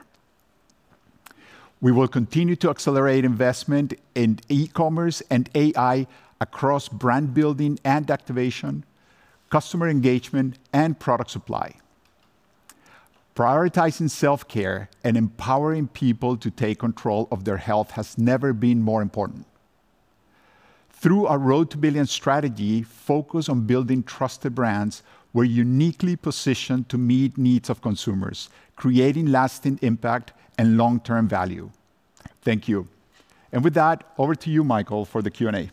We will continue to accelerate investment in e-commerce and AI across brand building and activation, customer engagement, and product supply. Prioritizing self-care and empowering people to take control of their health has never been more important. Through our Road to Billions strategy focused on building trusted brands, we're uniquely positioned to meet needs of consumers, creating lasting impact and long-term value. Thank you. With that, over to you, Michael, for the Q&A.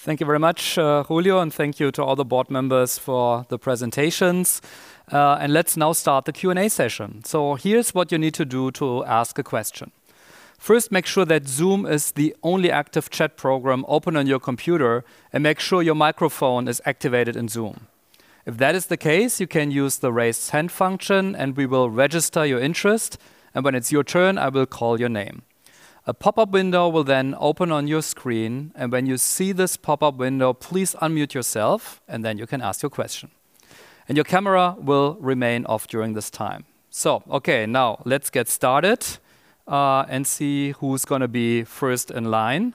Thank you very much, Julio, and thank you to all the board members for the presentations. Let's now start the Q&A session. Here's what you need to do to ask a question. First, make sure that Zoom is the only active chat program open on your computer, and make sure your microphone is activated in Zoom. If that is the case, you can use the Raise Hand function and we will register your interest, and when it's your turn, I will call your name. A pop-up window will then open on your screen, and when you see this pop-up window, please unmute yourself, and then you can ask your question. Your camera will remain off during this time. Okay, now let's get started, and see who's gonna be first in line.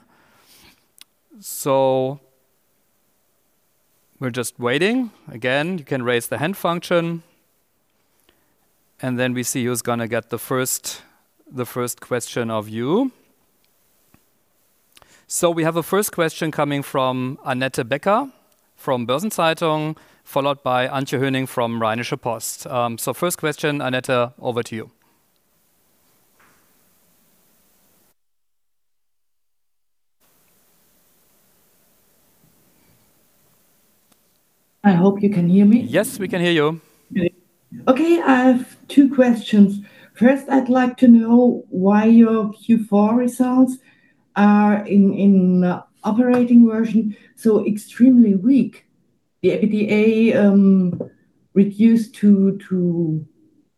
We're just waiting. Again, you can raise the hand function, and then we see who's gonna get the first question of you. We have a first question coming from Annette Becker from Börsen-Zeitung, followed by Antje Höning from Rheinische Post. First question, Annette, over to you. I hope you can hear me. Yes, we can hear you. Good. Okay, I have two questions. First, I'd like to know why your Q4 results are in operating version so extremely weak. The EBITDA reduced to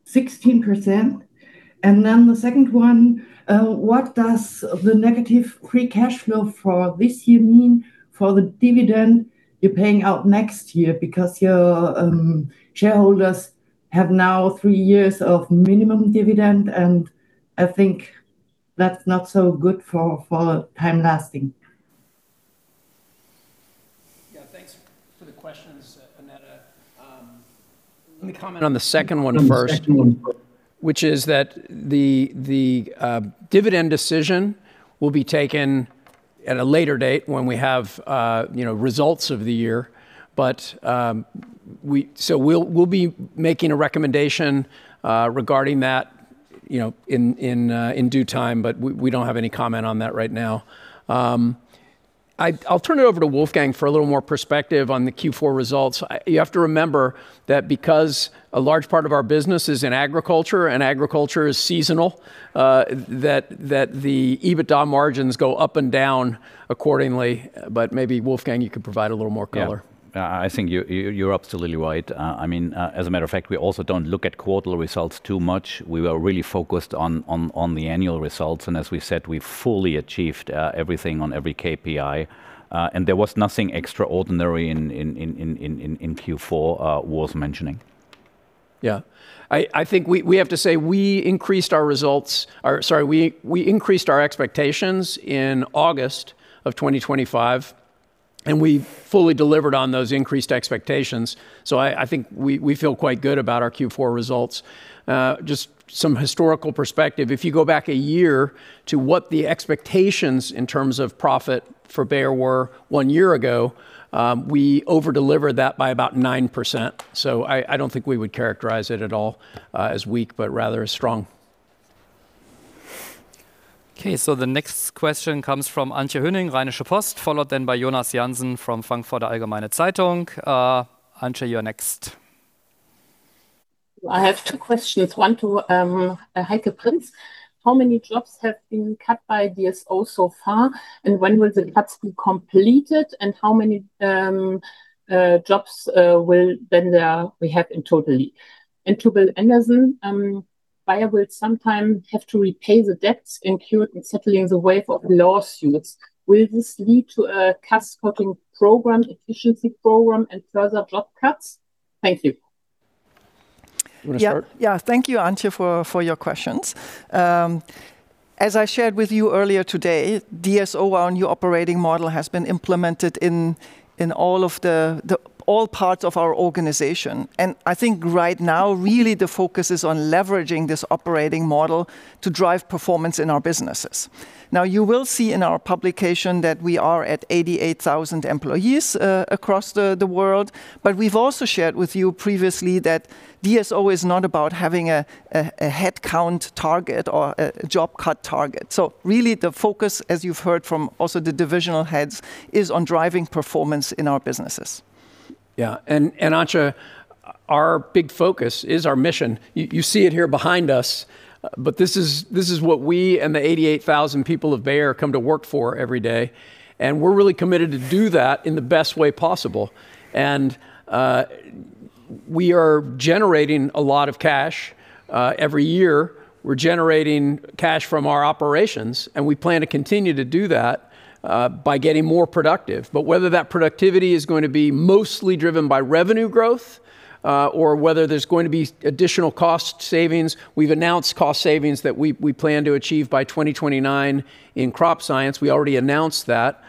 16%. The second one, what does the negative free cash flow for this year mean for the dividend you're paying out next year? Your shareholders have now three years of minimum dividend, and I think that's not so good for time lasting. Thanks for the questions, Annette. Let me comment on the second one first. On the second one first.... which is that the dividend decision will be taken at a later date when we have, you know, results of the year. So we'll be making a recommendation, regarding that, you know, in due time, but we don't have any comment on that right now. I'll turn it over to Wolfgang for a little more perspective on the Q4 results. You have to remember that because a large part of our business is in agriculture and agriculture is seasonal, that the EBITDA margins go up and down accordingly. Maybe, Wolfgang, you could provide a little more color. Yeah. I think you're absolutely right. I mean, as a matter of fact, we also don't look at quarterly results too much. We are really focused on the annual results, and as we've said, we've fully achieved everything on every KPI. There was nothing extraordinary in Q4 worth mentioning. Yeah. I think we have to say we increased our expectations in August of 2025. We've fully delivered on those increased expectations. I think we feel quite good about our Q4 results. Just some historical perspective, if you go back a year to what the expectations in terms of profit for Bayer were one year ago, we over-delivered that by about 9%. I don't think we would characterize it at all as weak, but rather as strong. The next question comes from Antje Höning, Rheinische Post, followed then by Jonas Jansen from Frankfurter Allgemeine Zeitung. Antje, you're next. I have two questions, one to Heike Prinz. How many jobs have been cut by DSO so far? When will the cuts be completed? How many jobs will then there we have in totally? To Bill Anderson, Bayer will sometime have to repay the debts incurred in settling the wave of lawsuits. Will this lead to a cost-cutting program, efficiency program, and further job cuts? Thank you. You wanna start? Yeah. Yeah. Thank you, Antje, for your questions. As I shared with you earlier today, DSO, our new operating model, has been implemented in all of the parts of our organization. I think right now really the focus is on leveraging this operating model to drive performance in our businesses. Now you will see in our publication that we are at 88,000 employees across the world, but we've also shared with you previously that DSO is not about having a headcount target or a job cut target. Really the focus, as you've heard from also the divisional heads, is on driving performance in our businesses. Yeah. Antje, our big focus is our mission. You see it here behind us, but this is what we and the 88,000 people of Bayer come to work for every day, and we're really committed to do that in the best way possible. We are generating a lot of cash every year. We're generating cash from our operations, and we plan to continue to do that by getting more productive. Whether that productivity is going to be mostly driven by revenue growth, or whether there's going to be additional cost savings, we've announced cost savings that we plan to achieve by 2029 in Crop Science. We already announced that.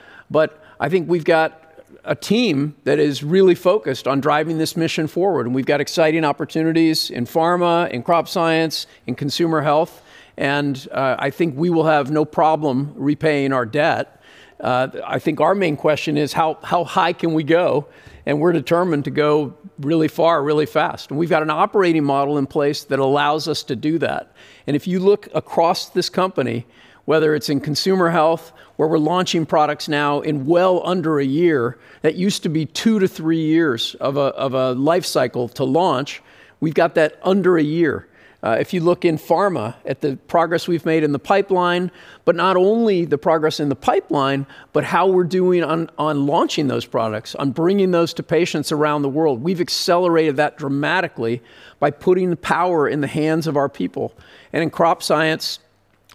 I think we've got a team that is really focused on driving this mission forward, and we've got exciting opportunities in pharma, in Crop Science, in Consumer Health, I think we will have no problem repaying our debt. I think our main question is how high can we go? We're determined to go really far, really fast. We've got an operating model in place that allows us to do that. If you look across this company, whether it's in Consumer Health, where we're launching products now in well under 1 year, that used to be 2-years, 3-years of a life cycle to launch. We've got that under one year. If you look in pharma at the progress we've made in the pipeline, but not only the progress in the pipeline, but how we're doing on launching those products, on bringing those to patients around the world. We've accelerated that dramatically by putting the power in the hands of our people. In Crop Science,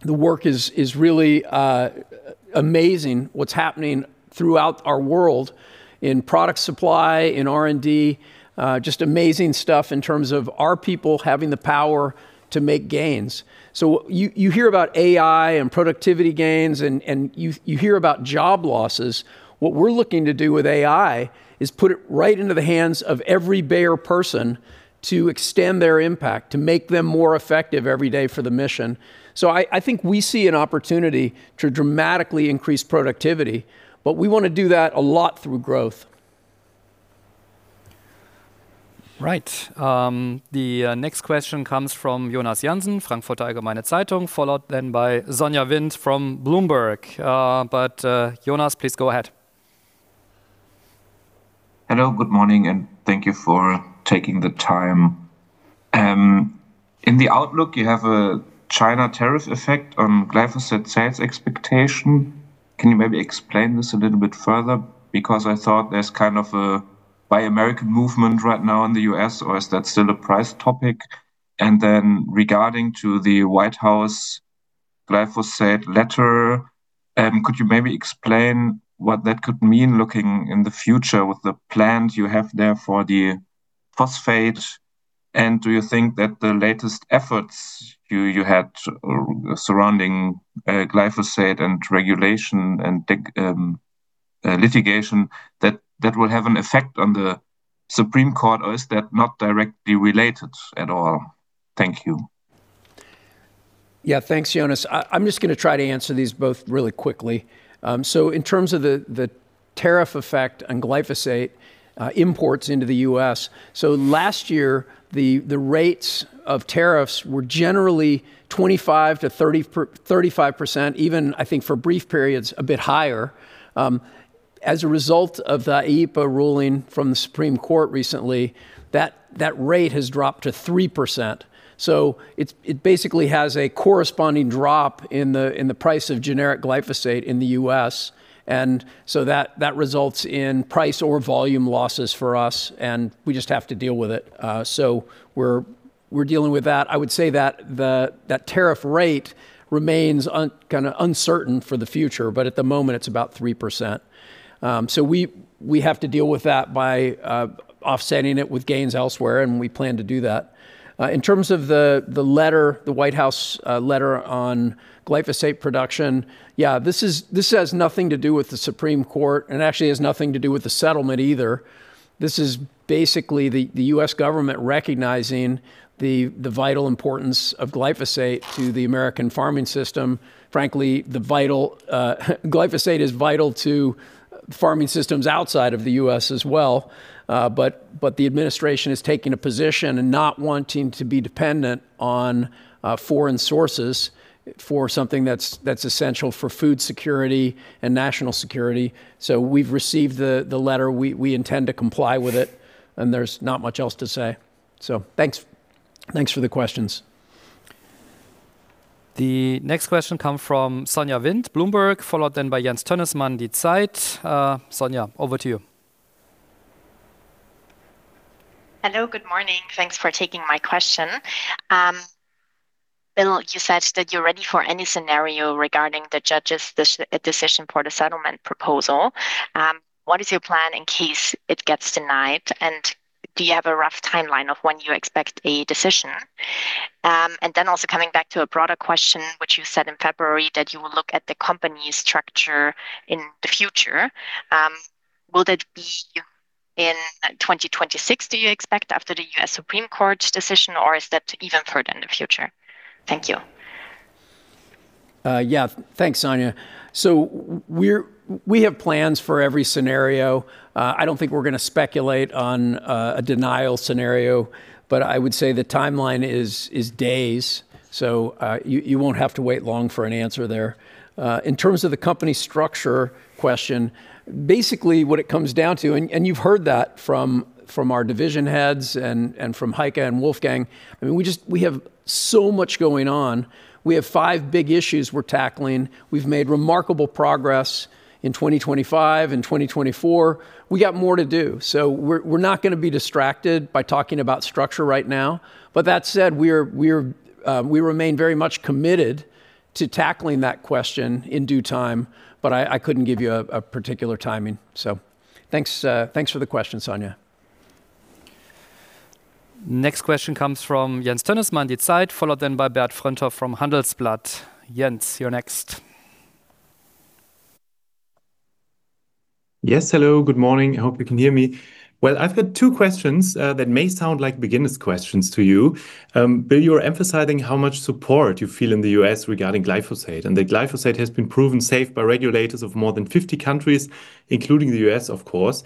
the work is really amazing what's happening throughout our world in product supply, in R&D, just amazing stuff in terms of our people having the power to make gains. You hear about AI and productivity gains and you hear about job losses. What we're looking to do with AI is put it right into the hands of every Bayer person to extend their impact, to make them more effective every day for the mission. I think we see an opportunity to dramatically increase productivity, but we wanna do that a lot through growth. Right. The next question comes from Jonas Jansen, Frankfurter Allgemeine Zeitung, followed then by Sonja Wind from Bloomberg. Jonas, please go ahead. Hello, good morning. Thank you for taking the time. In the outlook, you have a China tariff effect on glyphosate sales expectation. Can you maybe explain this a little bit further? I thought there's kind of a buy American movement right now in the U.S., or is that still a price topic? Regarding to the White House glyphosate letter, could you maybe explain what that could mean looking in the future with the plans you have there for the phosphate? Do you think that the latest efforts you had surrounding glyphosate and regulation and the litigation, that will have an effect on the Supreme Court, or is that not directly related at all? Thank you. Thanks, Jonas. I'm just gonna try to answer these both really quickly. In terms of the tariff effect on glyphosate imports into the U.S., last year, the rates of tariffs were generally 25%-35%, even, I think, for brief periods, a bit higher. As a result of the IEEPA ruling from the Supreme Court recently, that rate has dropped to 3%. It basically has a corresponding drop in the price of generic glyphosate in the U.S., that results in price or volume losses for us, we just have to deal with it. We're dealing with that. I would say that tariff rate remains kinda uncertain for the future, at the moment, it's about 3%. We have to deal with that by offsetting it with gains elsewhere, and we plan to do that. In terms of the letter, the White House letter on glyphosate production, this has nothing to do with the Supreme Court, and actually has nothing to do with the settlement either. This is basically the U.S. government recognizing the vital importance of glyphosate to the American farming system. Frankly, glyphosate is vital to farming systems outside of the U.S. as well. The administration is taking a position and not wanting to be dependent on foreign sources for something that's essential for food security and national security. We've received the letter. We intend to comply with it, and there's not much else to say. Thanks for the questions. The next question come from Sonja Wind, Bloomberg, followed then by Jens Tönnesmann, Die Zeit. Sonja, over to you. Hello, good morning. Thanks for taking my question. Bill, you said that you're ready for any scenario regarding the judge's decision for the settlement proposal. What is your plan in case it gets denied, and do you have a rough timeline of when you expect a decision? Also coming back to a broader question, which you said in February that you will look at the company structure in the future, will that be in 2026 do you expect after the U.S. Supreme Court's decision, or is that even further in the future? Thank you. Yeah. Thanks, Sonja. we have plans for every scenario. I don't think we're gonna speculate on a denial scenario, but I would say the timeline is days. you won't have to wait long for an answer there. In terms of the company structure question, basically what it comes down to, and you've heard that from our division heads and from Heike and Wolfgang, I mean, we have so much going on. We have five big issues we're tackling. We've made remarkable progress in 2025 and 2024. We got more to do. we're not gonna be distracted by talking about structure right now. That said, we remain very much committed to tackling that question in due time, but I couldn't give you a particular timing. Thanks, thanks for the question, Sonja. Next question comes from Jens Tönnesmann, Die Zeit, followed then by Bert Fröndhoff from Handelsblatt. Jens, you're next. Yes. Hello. Good morning. Hope you can hear me. Well, I've got two questions that may sound like beginners' questions to you. Bill, you were emphasizing how much support you feel in the U.S. regarding glyphosate, and that glyphosate has been proven safe by regulators of more than 50 countries, including the U.S., of course.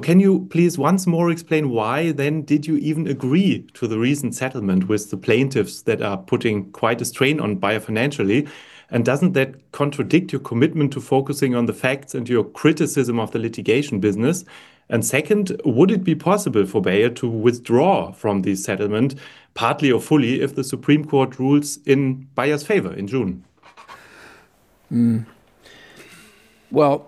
Can you please once more explain why then did you even agree to the recent settlement with the plaintiffs that are putting quite a strain on Bayer financially? Doesn't that contradict your commitment to focusing on the facts and your criticism of the litigation business? Second, would it be possible for Bayer to withdraw from this settlement partly or fully if the Supreme Court rules in Bayer's favor in June? Well,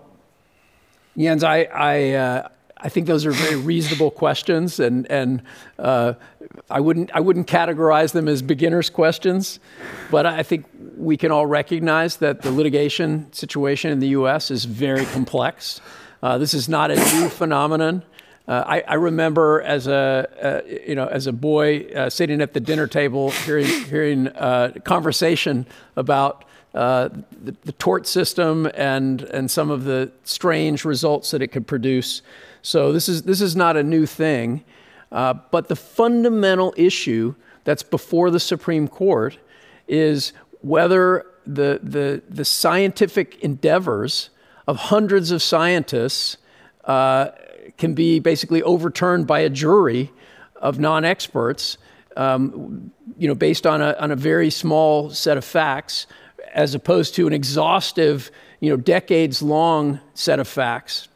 Jens, I think those are very reasonable questions and I wouldn't categorize them as beginners' questions. I think we can all recognize that the litigation situation in the U.S. is very complex. This is not a new phenomenon. I remember as a, you know, as a boy, sitting at the dinner table hearing conversation about the tort system and some of the strange results that it could produce. This is not a new thing. The fundamental issue that's before the Supreme Court is whether the scientific endeavors of hundreds of scientists can be basically overturned by a jury of non-experts, you know, based on a very small set of facts, as opposed to an exhaustive, you know, decades-long set of facts.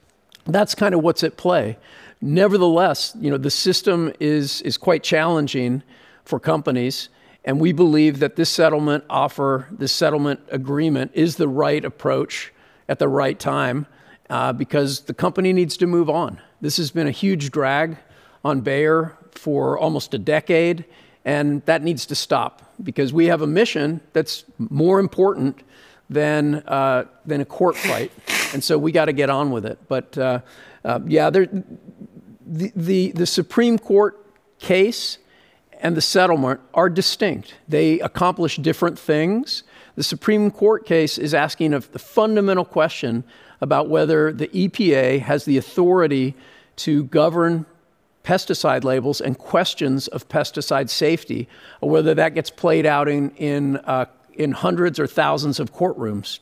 That's kind of what's at play. Nevertheless, you know, the system is quite challenging for companies, and we believe that this settlement offer, this settlement agreement is the right approach at the right time because the company needs to move on. This has been a huge drag on Bayer for almost a decade, and that needs to stop because we have a mission that's more important than a court fight, we gotta get on with it. Yeah, the Supreme Court case and the settlement are distinct. They accomplish different things. The Supreme Court case is asking of the fundamental question about whether the EPA has the authority to govern pesticide labels and questions of pesticide safety or whether that gets played out in hundreds or thousands of courtrooms.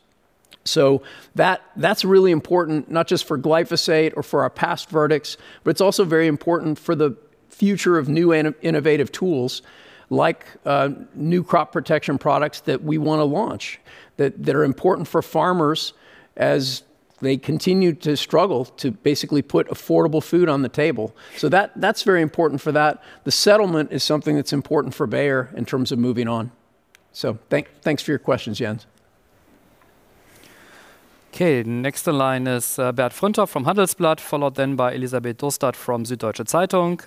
That's really important not just for glyphosate or for our past verdicts, but it's also very important for the future of new and innovative tools like new crop protection products that we wanna launch, that are important for farmers as they continue to struggle to basically put affordable food on the table. That's very important for that. The settlement is something that's important for Bayer in terms of moving on. Thanks for your questions, Jens. Okay. Next in line is, Bert Fröndhoff from Handelsblatt, followed by Elisabeth Dostert from Süddeutsche Zeitung.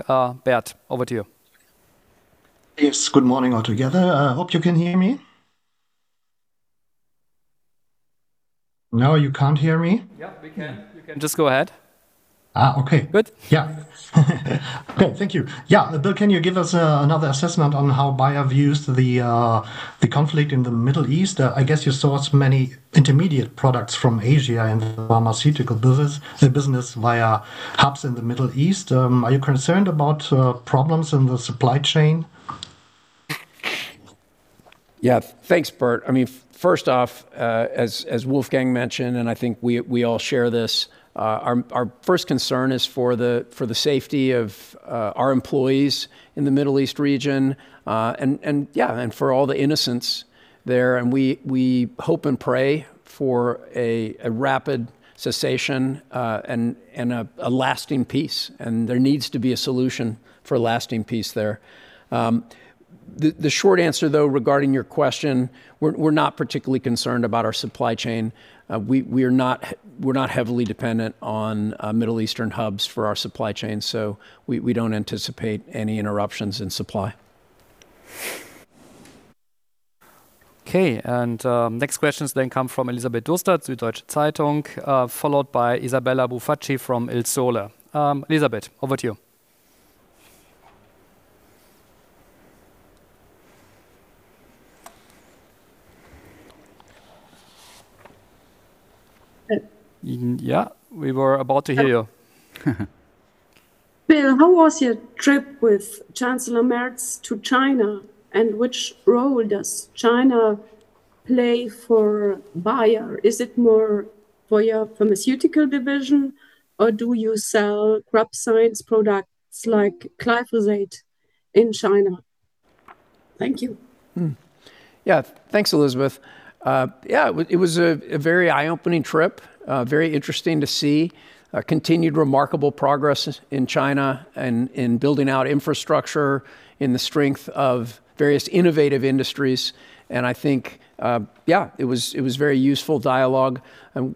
Bert, over to you. Yes. Good morning altogether. I hope you can hear me. You can't hear me? Yeah, we can. You can just go ahead. Okay. Good? Yeah. Good. Thank you. Yeah. Bill, can you give us another assessment on how Bayer views the conflict in the Middle East? I guess you source many intermediate products from Asia and pharmaceutical business, the business via hubs in the Middle East. Are you concerned about problems in the supply chain? Thanks, Bert. I mean, first off, as Wolfgang mentioned, and I think we all share this, our first concern is for the safety of our employees in the Middle East region. And, yeah, and for all the innocents there. We hope and pray for a rapid cessation and a lasting peace. There needs to be a solution for lasting peace there. The short answer, though, regarding your question, we're not particularly concerned about our supply chain. We're not heavily dependent on Middle Eastern hubs for our supply chain, so we don't anticipate any interruptions in supply. Okay. Next questions then come from Elisabeth Dostert, Süddeutsche Zeitung, followed by Isabella Bufacchi from Il Sole. Elisabeth, over to you. Bill- Yeah, we were about to hear you. Bill, how was your trip with Friedrich Merz to China, and which role does China play for Bayer? Is it more for your Pharmaceuticals Division, or do you sell Crop Science products like glyphosate in China? Thank you. Thanks, Elisabeth. Yeah, it was a very eye-opening trip. Very interesting to see continued remarkable progress in China and in building out infrastructure in the strength of various innovative industries. I think, yeah, it was very useful dialogue.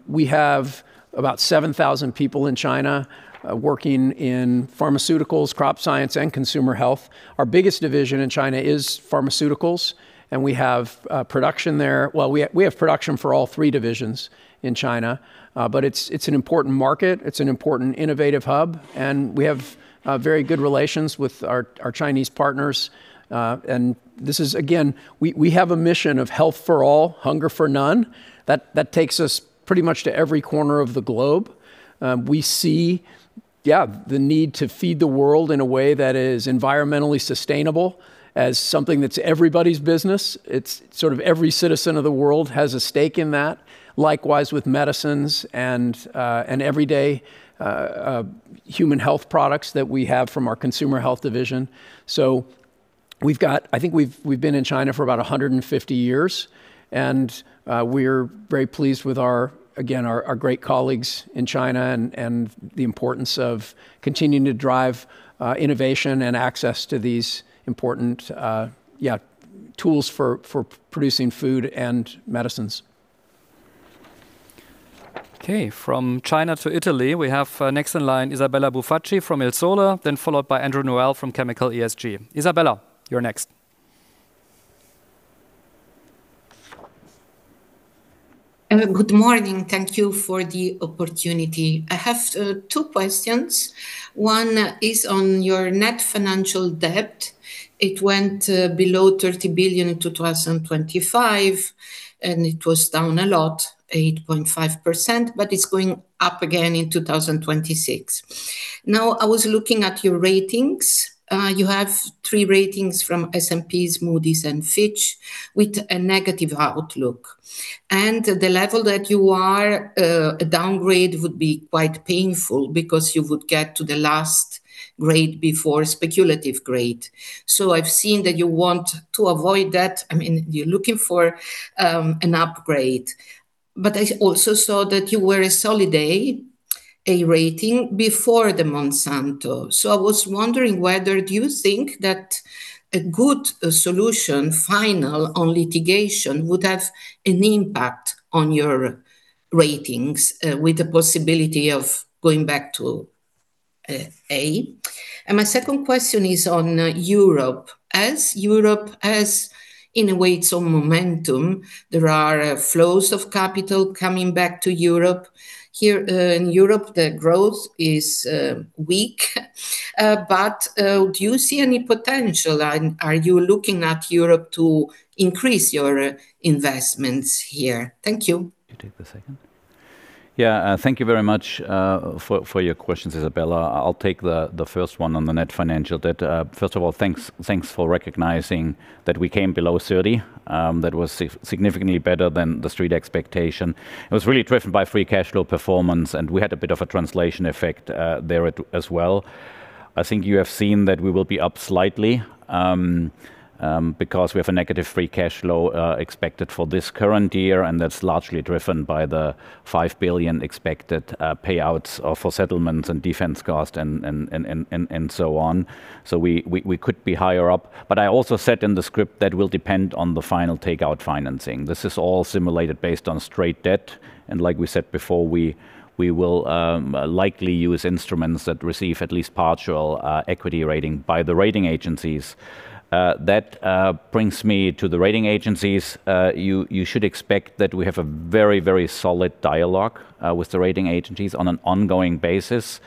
We have about 7,000 people in China, working in Pharmaceuticals, Crop Science, and Consumer Health. Our biggest division in China is Pharmaceuticals, and we have production there. Well, we have production for all three divisions in China. It's an important market. It's an important innovative hub. We have very good relations with our Chinese partners. This is, again, we have a mission of Health for all, Hunger for none. That takes us pretty much to every corner of the globe. Yeah, the need to feed the world in a way that is environmentally sustainable as something that's everybody's business. It's sort of every citizen of the world has a stake in that. Likewise, with medicines and everyday human health products that we have from our Consumer Health division. I think we've been in China for about 150 years, and we're very pleased with our, again, our great colleagues in China and the importance of continuing to drive innovation and access to these important tools for producing food and medicines. Okay. From China to Italy, we have, next in line, Isabella Bufacchi from Il Sole, then followed by Andrew Noel from Chemical ESG. Isabella, you're next. Good morning. Thank you for the opportunity. I have two questions. One is on your net financial debt. It went below 30 billion in 2025, and it was down a lot, 8.5%, but it's going up again in 2026. Now, I was looking at your ratings. You have three ratings from S&P's, Moody's and Fitch with a negative outlook. The level that you are, a downgrade would be quite painful because you would get to the last grade before speculative grade. I've seen that you want to avoid that. I mean, you're looking for an upgrade. I also saw that you were a solid A rating before the Monsanto. I was wondering whether do you think that a good solution, final on litigation would have an impact on your ratings, with the possibility of going back to A? My second question is on Europe. As Europe has, in a way, its own momentum, there are flows of capital coming back to Europe. Here, in Europe, the growth is weak, but do you see any potential? Are you looking at Europe to increase your investments here? Thank you. Do you take the second? Thank you very much for your questions, Isabella. I'll take the first one on the net financial debt. First of all, thanks for recognizing that we came below 30. That was significantly better than the street expectation. It was really driven by free cash flow performance, and we had a bit of a translation effect there as well. I think you have seen that we will be up slightly because we have a negative free cash flow expected for this current year, That's largely driven by the 5 billion expected payouts for settlements and defense cost and so on. We could be higher up. I also said in the script that will depend on the final takeout financing. This is all simulated based on straight debt, like we said before, we will likely use instruments that receive at least partial equity rating by the rating agencies. That brings me to the rating agencies. You should expect that we have a very, very solid dialogue with the rating agencies on an ongoing basis.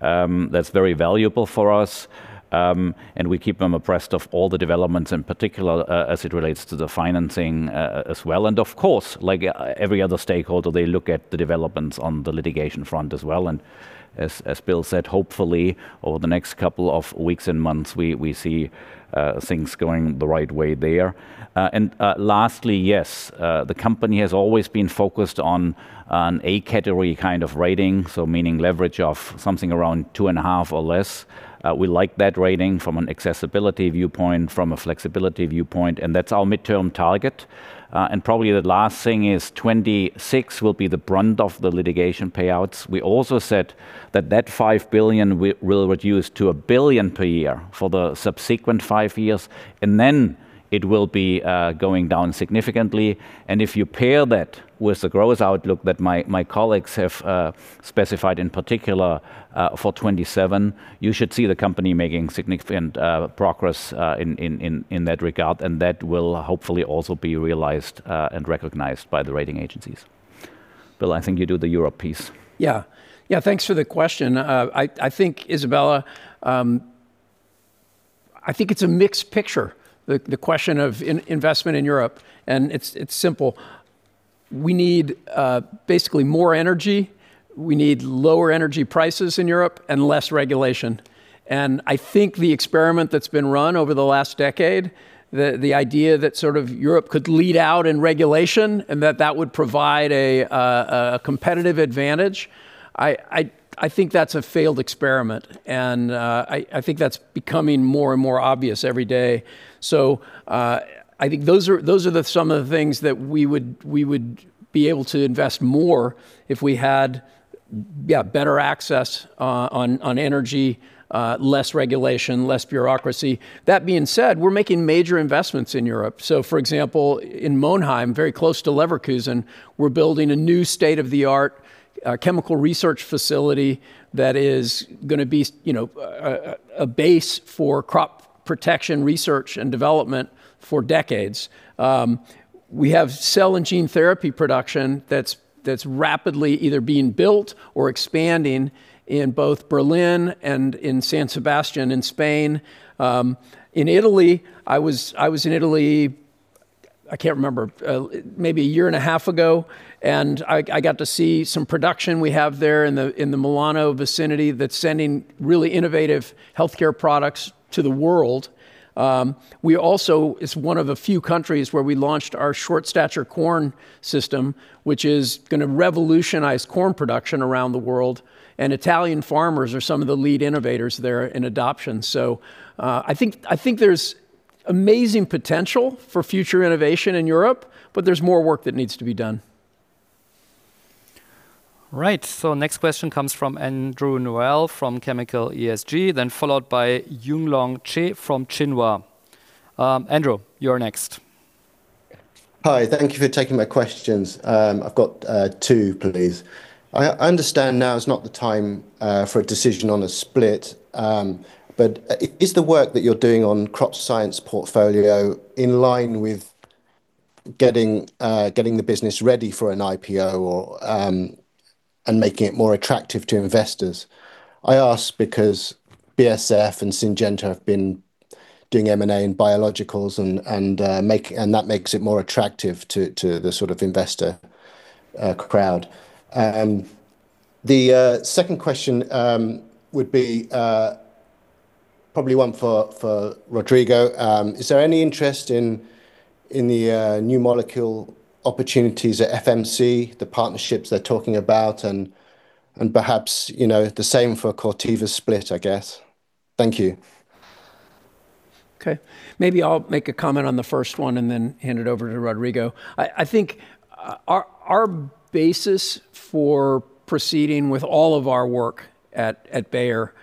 That's very valuable for us, and we keep them abreast of all the developments, in particular as it relates to the financing as well. Of course, like every other stakeholder, they look at the developments on the litigation front as well. As Bill said, hopefully over the next couple of weeks and months, we see things going the right way there. Lastly, yes, the company has always been focused on A category kind of rating, so meaning leverage of something around 2.5 or less. We like that rating from an accessibility viewpoint, from a flexibility viewpoint, and that's our midterm target. Probably the last thing is 2026 will be the brunt of the litigation payouts. We also said that that 5 billion will reduce to 1 billion per year for the subsequent five years, and then it will be going down significantly. If you pair that with the growth outlook that my colleagues have specified in particular for 2027, you should see the company making significant progress in that regard, and that will hopefully also be realized and recognized by the rating agencies. Bill, I think you do the Europe piece. Yeah. Thanks for the question. I think Isabella, I think it's a mixed picture, the question of investment in Europe, and it's simple. We need basically more energy, we need lower energy prices in Europe and less regulation. I think the experiment that's been run over the last decade, the idea that Europe could lead out in regulation and that that would provide a competitive advantage, I think that's a failed experiment, and I think that's becoming more and more obvious every day. I think those are some of the things that we would be able to invest more if we had, yeah, better access on energy, less regulation, less bureaucracy. That being said, we're making major investments in Europe. For example, in Monheim, very close to Leverkusen, we're building a new state-of-the-art chemical research facility that is gonna be you know, a base for crop protection research and development for decades. We have cell and gene therapy production that's rapidly either being built or expanding in both Berlin and in San Sebastian in Spain. In Italy, I was in Italy. I can't remember, maybe a year and a half ago, and I got to see some production we have there in the Milano vicinity that's sending really innovative healthcare products to the world. We also, it's one of the few countries where we launched our short stature corn system, which is gonna revolutionize corn production around the world, and Italian farmers are some of the lead innovators there in adoption. I think there's amazing potential for future innovation in Europe, but there's more work that needs to be done. Right. Next question comes from Andrew Noel from Chemical ESG, followed by Yonglong He from Xinhua. Andrew, you're next. Hi, thank you for taking my questions. I've got two please. I understand now is not the time for a decision on a split, but is the work that you're doing on Crop Science portfolio in line with getting the business ready for an IPO or and making it more attractive to investors? I ask because BASF and Syngenta have been doing M&A in biologicals and that makes it more attractive to the sort of investor crowd. The second question would be probably one for Rodrigo. Is there any interest in the new molecule opportunities at FMC, the partnerships they're talking about, and perhaps, you know, the same for Corteva split, I guess? Thank you. Okay. Maybe I'll make a comment on the first one and then hand it over to Rodrigo. I think our basis for proceeding with all of our work at Bayer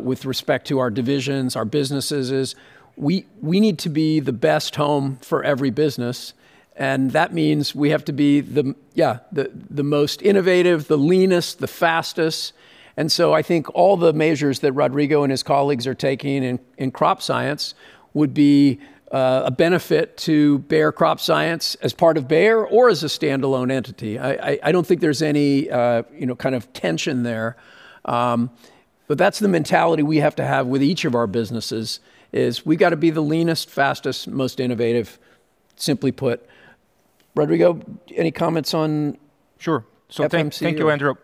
with respect to our divisions, our businesses, is we need to be the best home for every business, and that means we have to be the, yeah, the most innovative, the leanest, the fastest. I think all the measures that Rodrigo and his colleagues are taking in Crop Science would be a benefit to Bayer Crop Science as part of Bayer or as a standalone entity. I don't think there's any, you know, kind of tension there. That's the mentality we have to have with each of our businesses, is we gotta be the leanest, fastest, most innovative, simply put. Rodrigo, any comments? Sure. FMC or? Thank you, Andrew.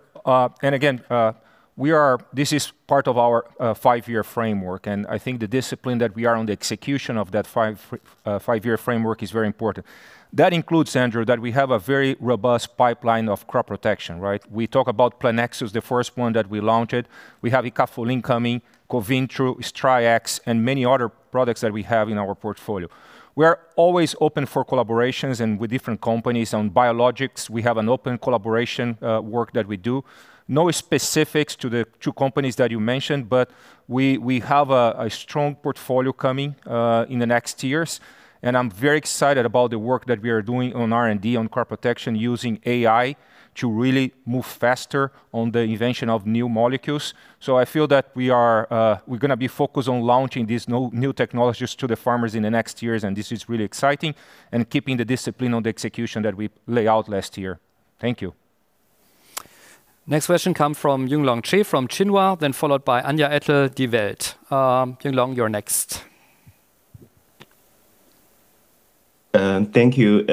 This is part of our five year framework, and I think the discipline that we are on the execution of that five year framework is very important. That includes, Andrew, that we have a very robust pipeline of crop protection, right? We talk about Preceon, the first one that we launched. We have Icafolin coming, Conventro, XtendiMax, and many other products that we have in our portfolio. We are always open for collaborations and with different companies. On biologics, we have an open collaboration work that we do. No specifics to the two companies that you mentioned, we have a strong portfolio coming in the next years, and I'm very excited about the work that we are doing on R&D, on crop protection using AI to really move faster on the invention of new molecules. I feel that we are, we're gonna be focused on launching these no-new technologies to the farmers in the next years, and this is really exciting, and keeping the discipline on the execution that we lay out last year. Thank you. Next question come from Yonglong He from Xinhua, then followed by Anja Ettel, Die Welt. Yonglong, you're next. Thank you.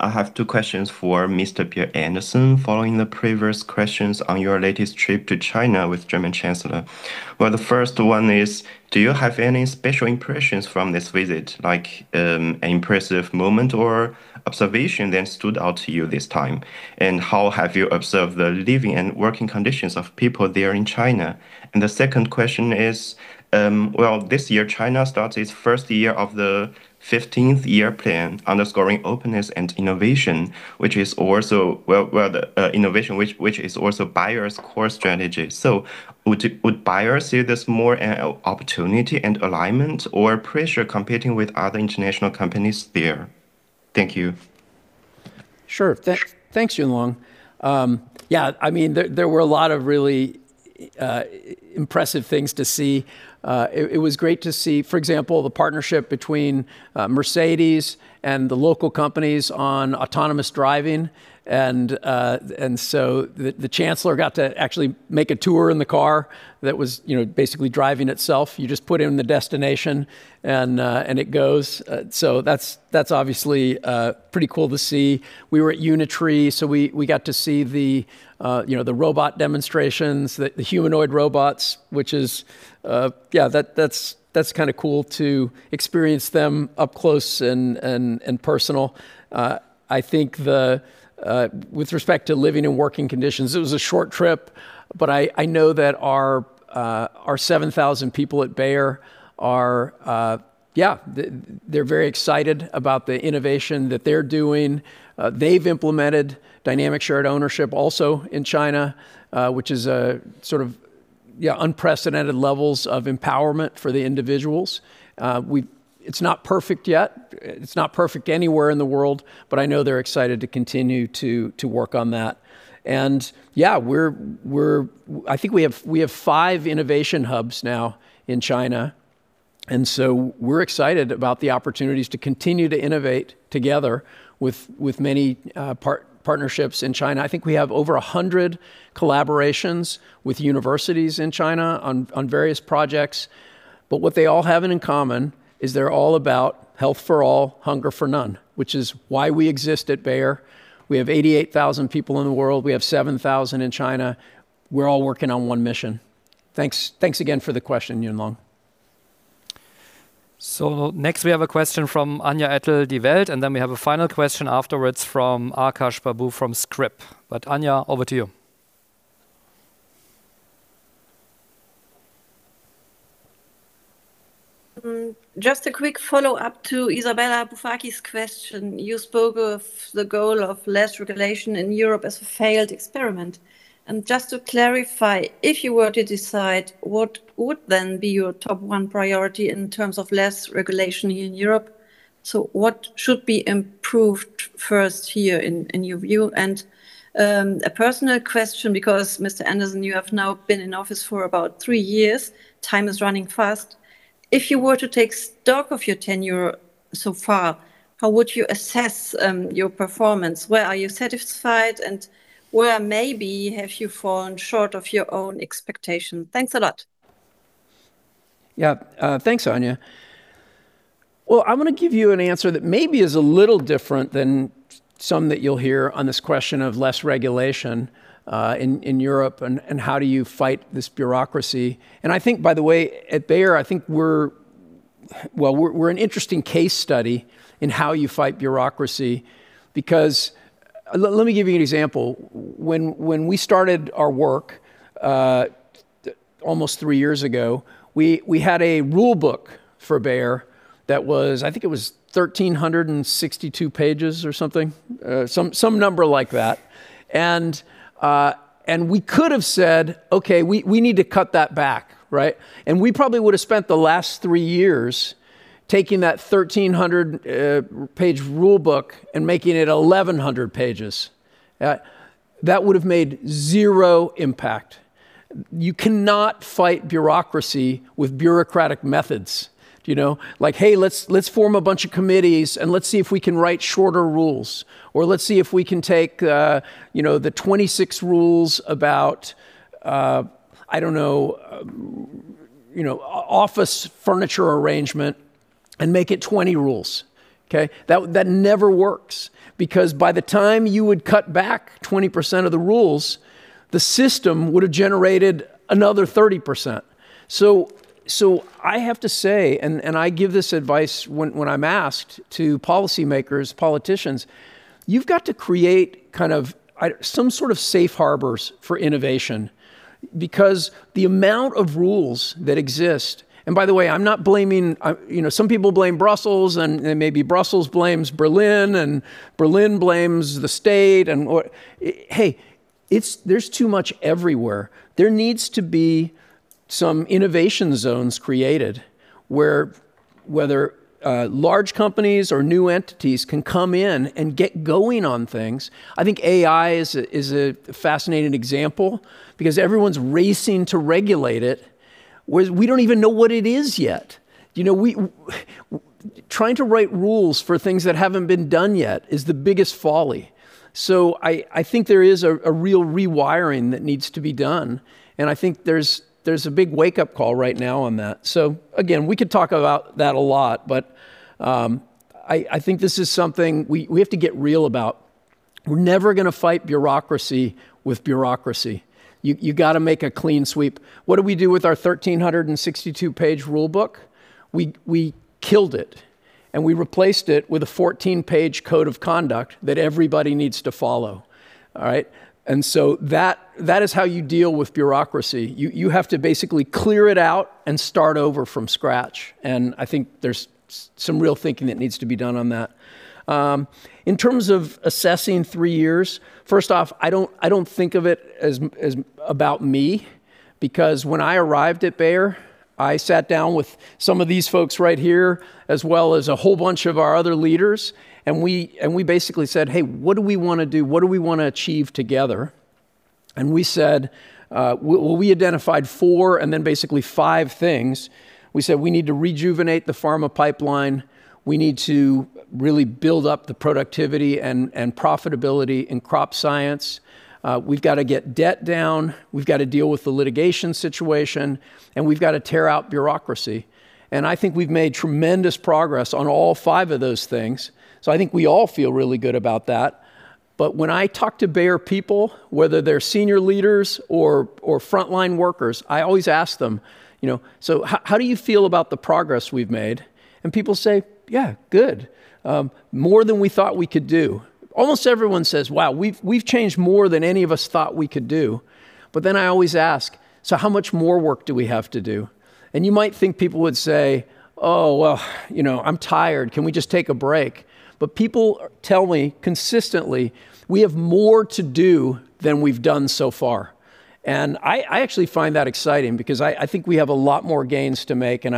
I have two questions for Mr. Bill Anderson. Following the previous questions on your latest trip to China with German chancellor, the first one is, do you have any special impressions from this visit? Like, an impressive moment or observation that stood out to you this time? How have you observed the living and working conditions of people there in China? The second question is, this year China starts its first year of the 15th Five-Year Plan underscoring openness and innovation, which is also innovation which is also Bayer's core strategy. Would Bayer see this more an opportunity and alignment or pressure competing with other international companies there? Thank you. Sure. Thanks, Yonglong. I mean, there were a lot of really impressive things to see. It was great to see, for example, the partnership between Mercedes and the local companies on autonomous driving. The Chancellor got to actually make a tour in the car that was, you know, basically driving itself. You just put in the destination and it goes. That's obviously pretty cool to see. We were at Unitree, so we got to see the, you know, the robot demonstrations, the humanoid robots, which is yeah, that's kinda cool to experience them up close and personal. I think the with respect to living and working conditions, it was a short trip, but I know that our 7,000 people at Bayer are very excited about the innovation that they're doing. They've implemented Dynamic Shared Ownership also in China, which is a sort of unprecedented levels of empowerment for the individuals. It's not perfect yet. It's not perfect anywhere in the world, but I know they're excited to continue to work on that. I think we have five innovation hubs now in China, so we're excited about the opportunities to continue to innovate together, partnerships in China. I think we have over 100 collaborations with universities in China on various projects. What they all have in common is they're all about Health for all, Hunger for none, which is why we exist at Bayer. We have 88,000 people in the world. We have 7,000 in China. We're all working on one mission. Thanks. Thanks again for the question, Yonglong. Next, we have a question from Anja Ettel, Die Welt, and then we have a final question afterwards from Aakash Babu from Scrip. Anja, over to you. Just a quick follow-up to Isabella Bufacchi's question. You spoke of the goal of less regulation in Europe as a failed experiment. Just to clarify, if you were to decide what would then be your top one priority in terms of less regulation in Europe. What should be improved first here in your view? A personal question because, Mr. Anderson, you have now been in office for about three years. Time is running fast. If you were to take stock of your tenure so far, how would you assess your performance? Where are you satisfied, and where maybe have you fallen short of your own expectation? Thanks a lot. Yeah. Thanks, Anja. Well, I'm gonna give you an answer that maybe is a little different than some that you'll hear on this question of less regulation in Europe and how do you fight this bureaucracy. I think, by the way, at Bayer, I think we're an interesting case study in how you fight bureaucracy because let me give you an example. When we started our work almost three years ago, we had a rule book for Bayer that was, I think it was 1,362 pages or something, some number like that. We could have said, "Okay, we need to cut that back," right? We probably would have spent the last three years taking that 1,300-page rule book and making it 1,100 pages. That would have made zero impact. You cannot fight bureaucracy with bureaucratic methods. Do you know? Like, "Hey, let's form a bunch of committees, and let's see if we can write shorter rules," or, "Let's see if we can take, you know, the 26 rules about, I don't know, you know, office furniture arrangement and make it 20 rules." Okay? That never works because by the time you would cut back 20% of the rules, the system would have generated another 30%. I have to say, and I give this advice when I'm asked to policymakers, politicians, you've got to create kind of, some sort of safe harbors for innovation because the amount of rules that exist. By the way, I'm not blaming... I, you know, some people blame Brussels, and maybe Brussels blames Berlin, and Berlin blames the state and what. Hey, there's too much everywhere. There needs to be some innovation zones created where whether large companies or new entities can come in and get going on things. I think AI is a fascinating example because everyone's racing to regulate it, whereas we don't even know what it is yet. You know, we trying to write rules for things that haven't been done yet is the biggest folly. I think there is a real rewiring that needs to be done, and I think there's a big wake-up call right now on that. Again, we could talk about that a lot, but I think this is something we have to get real about. We're never gonna fight bureaucracy with bureaucracy. You gotta make a clean sweep. What do we do with our 1,362-page rule book? We killed it, we replaced it with a 14-page code of conduct that everybody needs to follow. All right? That is how you deal with bureaucracy. You have to basically clear it out and start over from scratch. I think there's some real thinking that needs to be done on that. In terms of assessing three years, first off, I don't think of it as about me because when I arrived at Bayer, I sat down with some of these folks right here, as well as a whole bunch of our other leaders, we basically said, "Hey, what do we wanna do? What do we wanna achieve together?" We said, well, we identified four and then basically five things. We said we need to rejuvenate the pharma pipeline. We need to really build up the productivity and profitability in Crop Science. We've got to get debt down. We've got to deal with the litigation situation, we've got to tear out bureaucracy. I think we've made tremendous progress on all five of those things. I think we all feel really good about that. When I talk to Bayer people, whether they're senior leaders or frontline workers, I always ask them, you know, "So how do you feel about the progress we've made?" People say, "Yeah, good. More than we thought we could do." Almost everyone says, "Wow, we've changed more than any of us thought we could do." I always ask, "So how much more work do we have to do?" You might think people would say, "Oh, well, you know, I'm tired. Can we just take a break?" People tell me consistently, we have more to do than we've done so far. I actually find that exciting because I think we have a lot more gains to make, and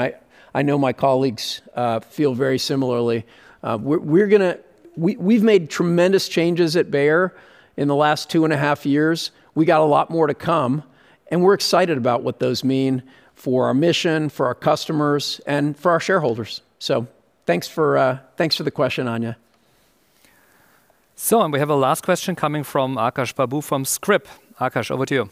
I know my colleagues feel very similarly. We've made tremendous changes at Bayer in the last 2 and a half years. We got a lot more to come, and we're excited about what those mean for our mission, for our customers, and for our shareholders. Thanks for, thanks for the question, Anja. We have a last question coming from Aakash Babu from Scrip. Akash, over to you.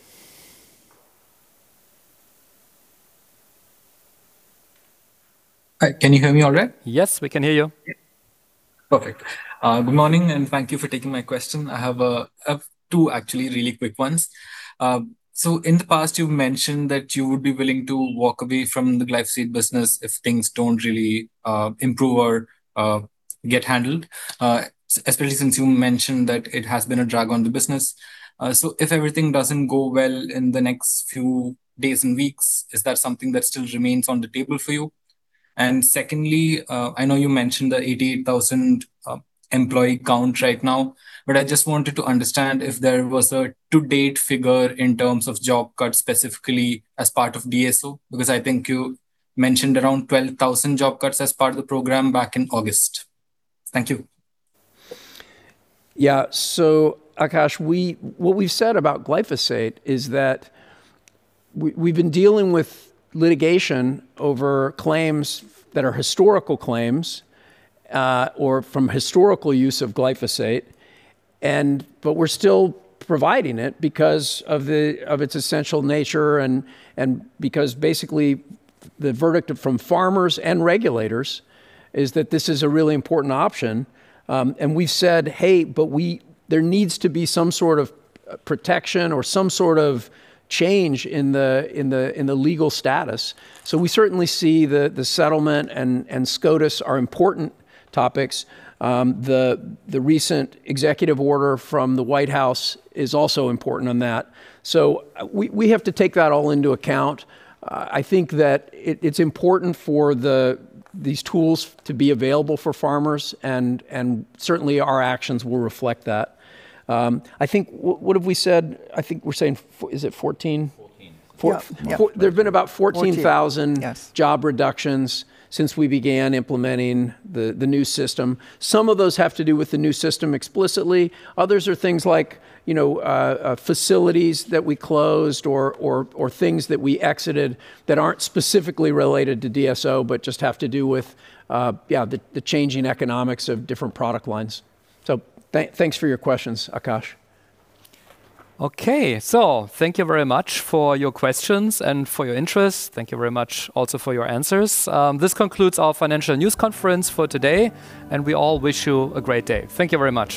Hi, can you hear me all right? Yes, we can hear you. Perfect. Good morning, and thank you for taking my question. I have, I have two actually really quick ones. In the past you've mentioned that you would be willing to walk away from the glyphosate business if things don't really improve or get handled, especially since you mentioned that it has been a drag on the business. If everything doesn't go well in the next few days and weeks, is that something that still remains on the table for you? Secondly, I know you mentioned the 88,000 employee count right now, but I just wanted to understand if there was a to-date figure in terms of job cuts specifically as part of DSO, because I think you mentioned around 12,000 job cuts as part of the program back in August. Thank you. Yeah. Aakash, we, what we've said about glyphosate is that we've been dealing with litigation over claims that are historical claims, or from historical use of glyphosate and but we're still providing it because of the, of its essential nature, and because basically the verdict of, from farmers and regulators is that this is a really important option. We said, "Hey, but we, there needs to be some sort of protection or some sort of change in the legal status." We certainly see the settlement and SCOTUS are important topics. The recent executive order from the White House is also important on that. We have to take that all into account. I think that it's important for these tools to be available for farmers and certainly our actions will reflect that. I think... What have we said? I think we're saying is it 14? Fourteen. Yeah. Yeah. There have been about. Fourteen... thousand- Yes.... job reductions since we began implementing the new system. Some of those have to do with the new system explicitly, others are things like, you know, facilities that we closed or things that we exited that aren't specifically related to DSO, but just have to do with, yeah, the changing economics of different product lines. Thanks for your questions, Akash. Okay. Thank you very much for your questions and for your interest. Thank you very much also for your answers. This concludes our financial news conference for today, and we all wish you a great day. Thank you very much.